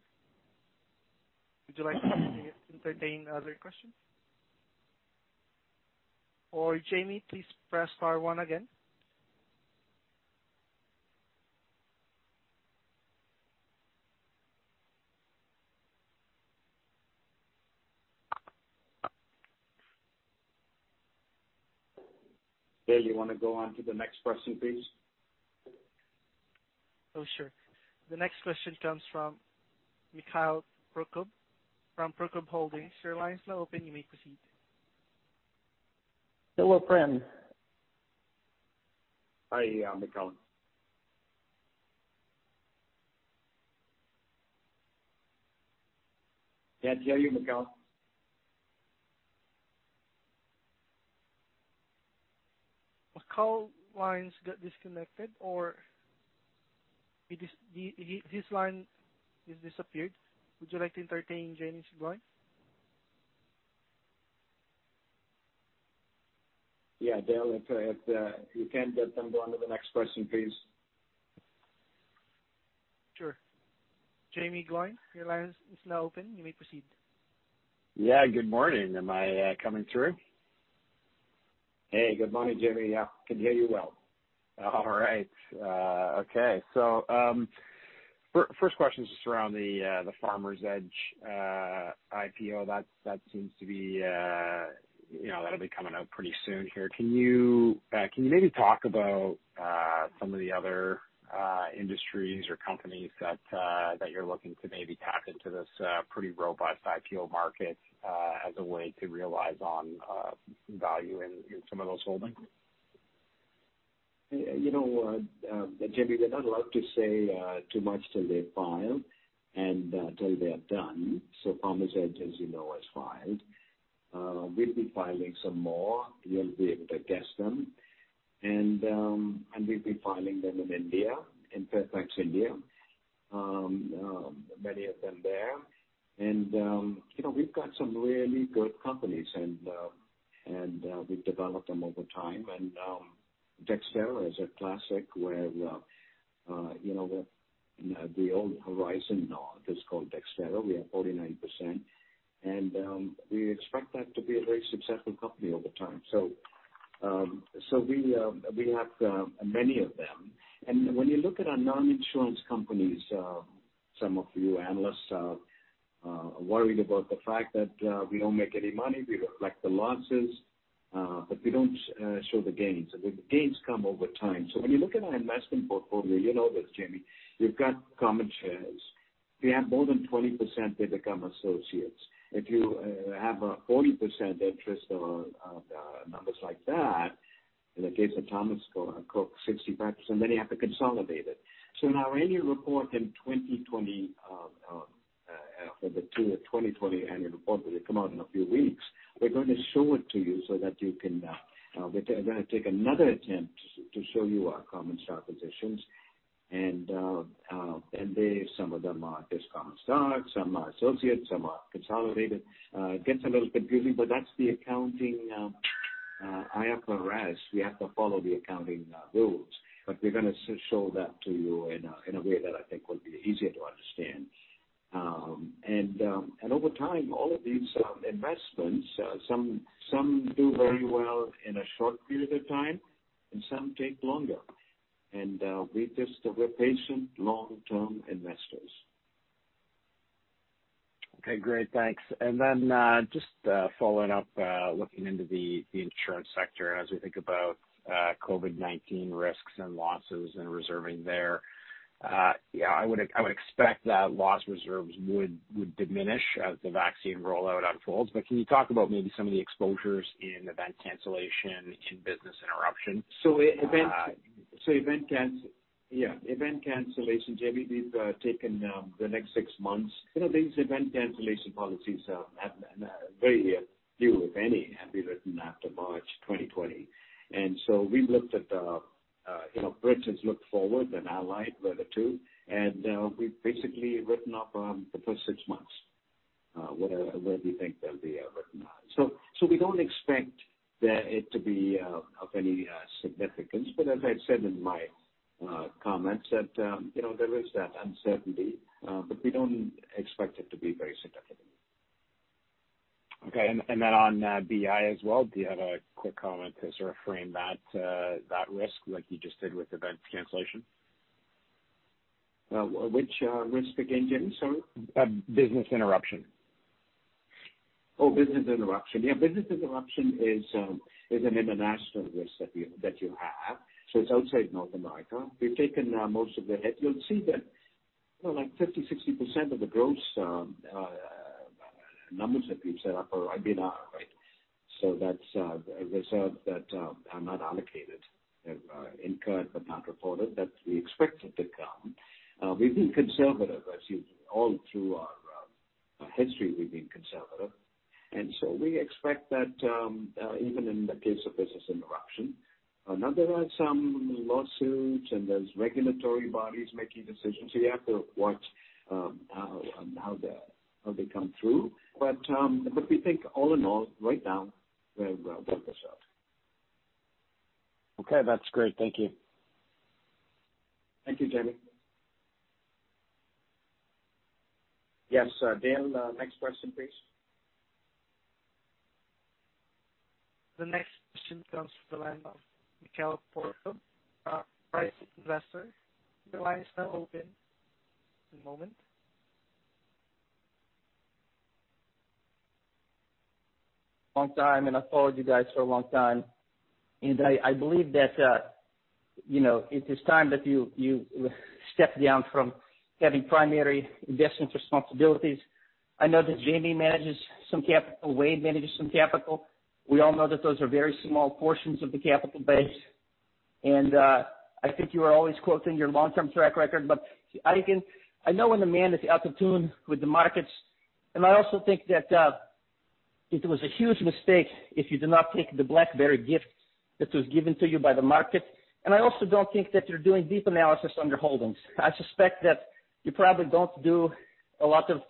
Would you like to entertain other questions? Jaeme, please press star one again. Dale, you want to go on to the next question, please? Oh, sure. The next question comes from Mikhail Prokop from Prokop Holdings. Hello, Prem. Hi, Mikhail. Can't hear you, Mikhail. Mikhail's line got disconnected, or his line is disappeared. Would you like to entertain Jaeme Gloyn? Yeah. Dale, if you can, let them go on to the next question, please. Sure. Jaeme Gloyn, your line is now open. You may proceed. Yeah, good morning. Am I coming through? Hey, good morning, Jaeme. Yeah. Can hear you well. All right. Okay. First question is just around the Farmers Edge IPO. That'll be coming out pretty soon here. Can you maybe talk about some of the other industries or companies that you're looking to maybe tap into this pretty robust IPO market as a way to realize on value in some of those holdings? Jaeme, we're not allowed to say too much till they file and till they're done. Farmers Edge, as you know, has filed. We'll be filing some more. You'll be able to guess them, and we'll be filing them in India, in Fairfax India, many of them there. We've got some really good companies, and we've developed them over time. Dexterra is a classic where the old Horizon North is called Dexterra. We have 49%, and we expect that to be a very successful company over time. We have many of them. When you look at our non-insurance companies, some of you analysts are worried about the fact that we don't make any money. We reflect the losses, but we don't show the gains. The gains come over time. When you look at our investment portfolio, you know this, Jaeme, you've got common shares. If you have more than 20%, they become associates. If you have a 40% interest or numbers like that, in the case of Thomas Cook, 65%, then you have to consolidate it. Now any report in 2020, for the 2020 annual report that will come out in a few weeks, we're going to show it to you. We're going to take another attempt to show you our common stock positions. Some of them are just common stocks, some are associates, some are consolidated. It gets a little confusing, that's the accounting IFRS. We have to follow the accounting rules, we're going to show that to you in a way that I think will be easier to understand. Over time, all of these investments, some do very well in a short period of time and some take longer. We're patient, long-term investors. Okay, great. Thanks. Then just following up, looking into the insurance sector as we think about COVID-19 risks and losses and reserving there, I would expect that loss reserves would diminish as the vaccine rollout unfolds. But can you talk about maybe some of the exposures in event cancellation, in business interruption? Yeah, event cancellation, Jaeme, we've taken the next six months. These event cancellation policies, very few, if any, have been written after March 2020. We've looked at, Brit has looked forward, and Allied were the two, and we've basically written off the first six months where we think they'll be written on. We don't expect that it to be of any significance, but as I said in my comments that there is that uncertainty, but we don't expect it to be very significant. Okay, on BI as well, do you have a quick comment to sort of frame that risk like you just did with events cancellation? Which risk again, Jaeme, sorry? Business interruption. Business interruption. Yeah, business interruption is an international risk that you have. It's outside North America. We've taken most of the hit. You'll see that 50%-60% of the gross numbers that we've set up are IBNR, right? That's reserves that are not allocated, that are incurred but not reported, that we expect it to come. We've been conservative as usual. All through our history, we've been conservative. We expect that even in the case of business interruption. Now there are some lawsuits and there's regulatory bodies making decisions, so you have to watch how they come through. We think all in all right now we're well booked ourselves. Okay, that's great. Thank you. Thank you, Jaeme. Yes, Dale, next question please. The next question comes from the line of Mikhail Prokop, Private Investor. Your line is now open. One moment. Long time. I've followed you guys for a long time. I believe that it is time that you step down from having primary investment responsibilities. I know that Jaeme manages some capital, Wade manages some capital. We all know that those are very small portions of the capital base. I think you are always quoting your long-term track record. I know when a man is out of tune with the markets. I also think that it was a huge mistake if you did not take the BlackBerry gift that was given to you by the market. I also don't think that you're doing deep analysis on your holdings. I suspect that you probably don't do a lot of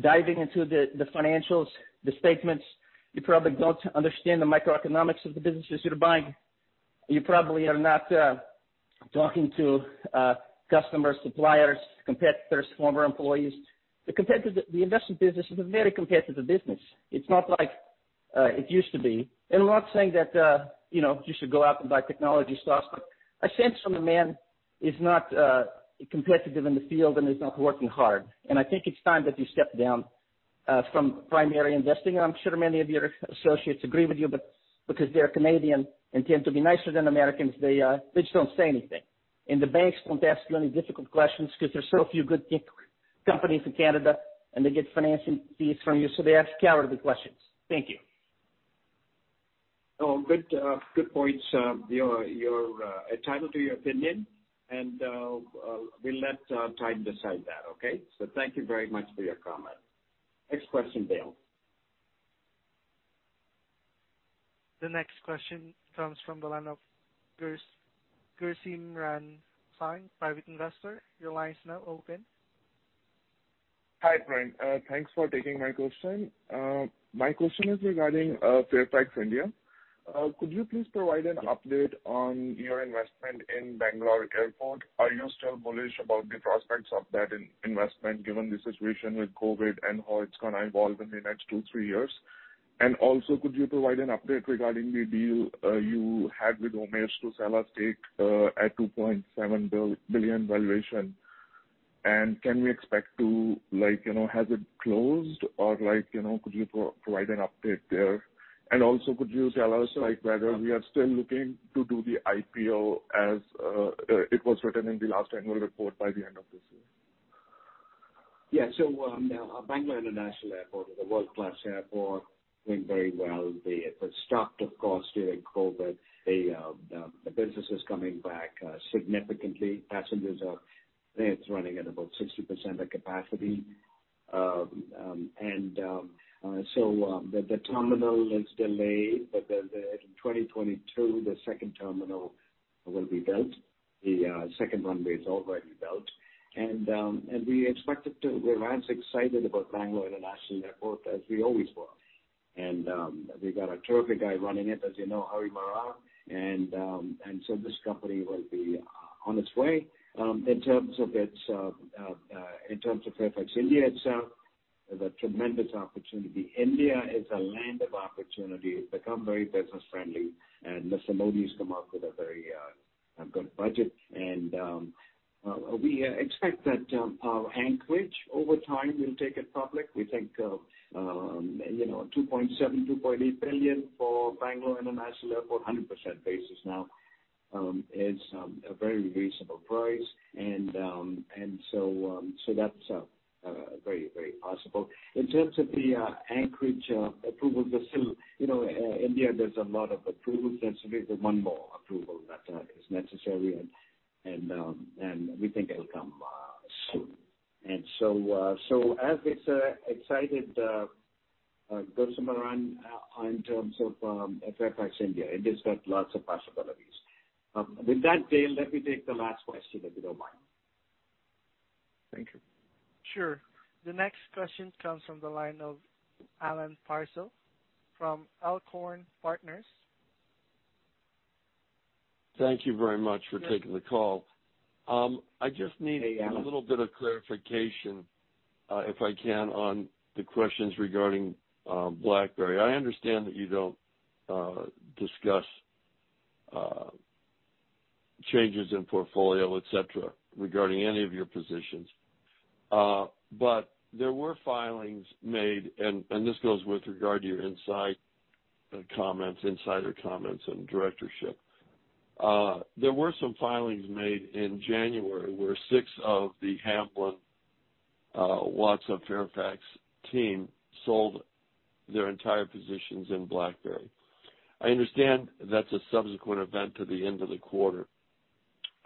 diving into the financials, the statements. You probably don't understand the microeconomics of the businesses you're buying. You probably are not talking to customers, suppliers, competitors, former employees. The investment business is a very competitive business. It's not like it used to be. I'm not saying that you should go out and buy technology stocks, but I sense from the man is not competitive in the field and is not working hard. I think it's time that you step down from primary investing, and I'm sure many of your associates agree with you, but because they're Canadian and tend to be nicer than Americans, they just don't say anything. The banks don't ask you any difficult questions because there's so few good companies in Canada, and they get financing fees from you, so they ask cowardly questions. Thank you. Oh, good points. You're entitled to your opinion. We'll let time decide that, okay? Thank you very much for your comment. Next question, Dale. The next question comes from the line of Gursimran Singh, Private Investor. Your line is now open. Hi, Prem. Thanks for taking my question. My question is regarding Fairfax India. Could you please provide an update on your investment in Bangalore Airport? Are you still bullish about the prospects of that investment given the situation with COVID and how it's going to evolve in the next two, three years? Also, could you provide an update regarding the deal you had with OMERS to sell a stake at $2.7 billion valuation? Has it closed or could you provide an update there? Also, could you tell us whether we are still looking to do the IPO as it was written in the last annual report by the end of this year? Yeah. Bangalore International Airport is a world-class airport. Doing very well. It was stopped, of course, during COVID. The business is coming back significantly. Passengers, I think it's running at about 60% of capacity. The terminal is delayed, but in 2022, the second terminal will be built. The second runway is already built. We're as excited about Bangalore International Airport as we always were. We've got a terrific guy running it, as you know, Hari Marar. This company will be on its way. In terms of Fairfax India itself, there's a tremendous opportunity. India is a land of opportunity. It's become very business-friendly, and Mr. Modi's come out with a very good budget. We expect that our Anchorage over time will take it public. We think, $2.7 billion-$2.8 billion for Bangalore International Airport, 100% basis now, is a very reasonable price. That's very possible. In terms of the Anchorage approval, India, there's a lot of approvals necessary. There's one more approval that is necessary and we think it'll come soon. As I said, Gursimran in terms of Fairfax India, it has got lots of possibilities. With that, Dale, let me take the last question, if you don't mind. Thank you. Sure. The next question comes from the line of Alan Parsow from Elkhorn Partners. Thank you very much for taking the call. I just need a little bit of clarification, if I can, on the questions regarding BlackBerry. I understand that you don't discuss changes in portfolio, et cetera, regarding any of your positions. There were filings made, and this goes with regard to your insider comments and directorship. There were some filings made in January where six of the Hamblin Watsa Fairfax team sold their entire positions in BlackBerry. I understand that's a subsequent event to the end of the quarter.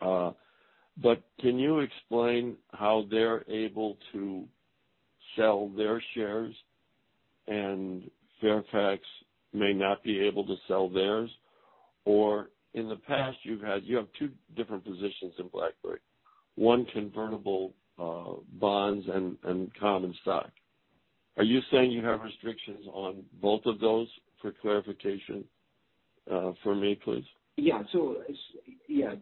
Can you explain how they're able to sell their shares and Fairfax may not be able to sell theirs? In the past, you have two different positions in BlackBerry, one convertible bonds and common stock. Are you saying you have restrictions on both of those, for clarification for me, please?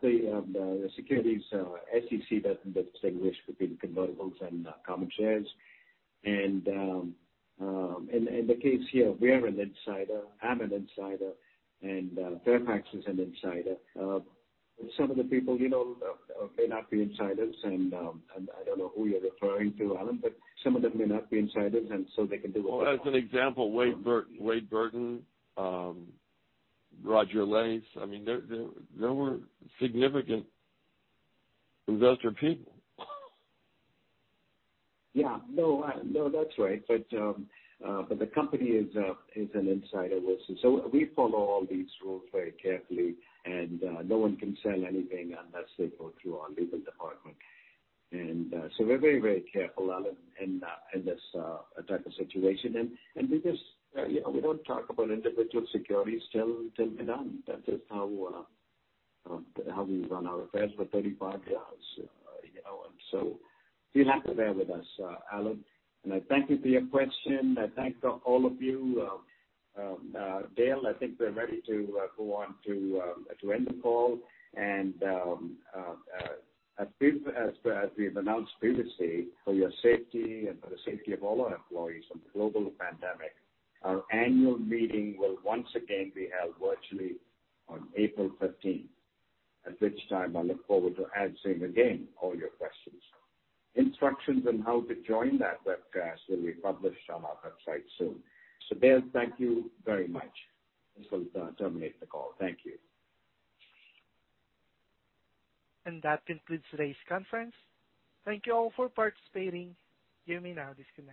The securities, SEC doesn't distinguish between convertibles and common shares. In the case here, we're an insider, I'm an insider, and Fairfax is an insider. Some of the people may not be insiders, and I don't know who you're referring to, Adam, but some of them may not be insiders, and so they can do what they want. Well, as an example, Wade Burton, Roger Lace. There were significant investor people. Yeah. No, that's right. The company is an insider. We follow all these rules very carefully, and no one can sell anything unless they go through our legal department. We're very careful, Adam, in this type of situation. We don't talk about individual securities till they're done. That is how we run our affairs for 35 years. You'll have to bear with us, Adam. I thank you for your question. I thank all of you. Dale, I think we're ready to go on to end the call. As we've announced previously, for your safety and for the safety of all our employees from the global pandemic, our annual meeting will once again be held virtually on April 15th, at which time I look forward to answering again all your questions. Instructions on how to join that webcast will be published on our website soon. Dale, thank you very much. This will terminate the call. Thank you. That concludes today's conference. Thank you all for participating. You may now disconnect.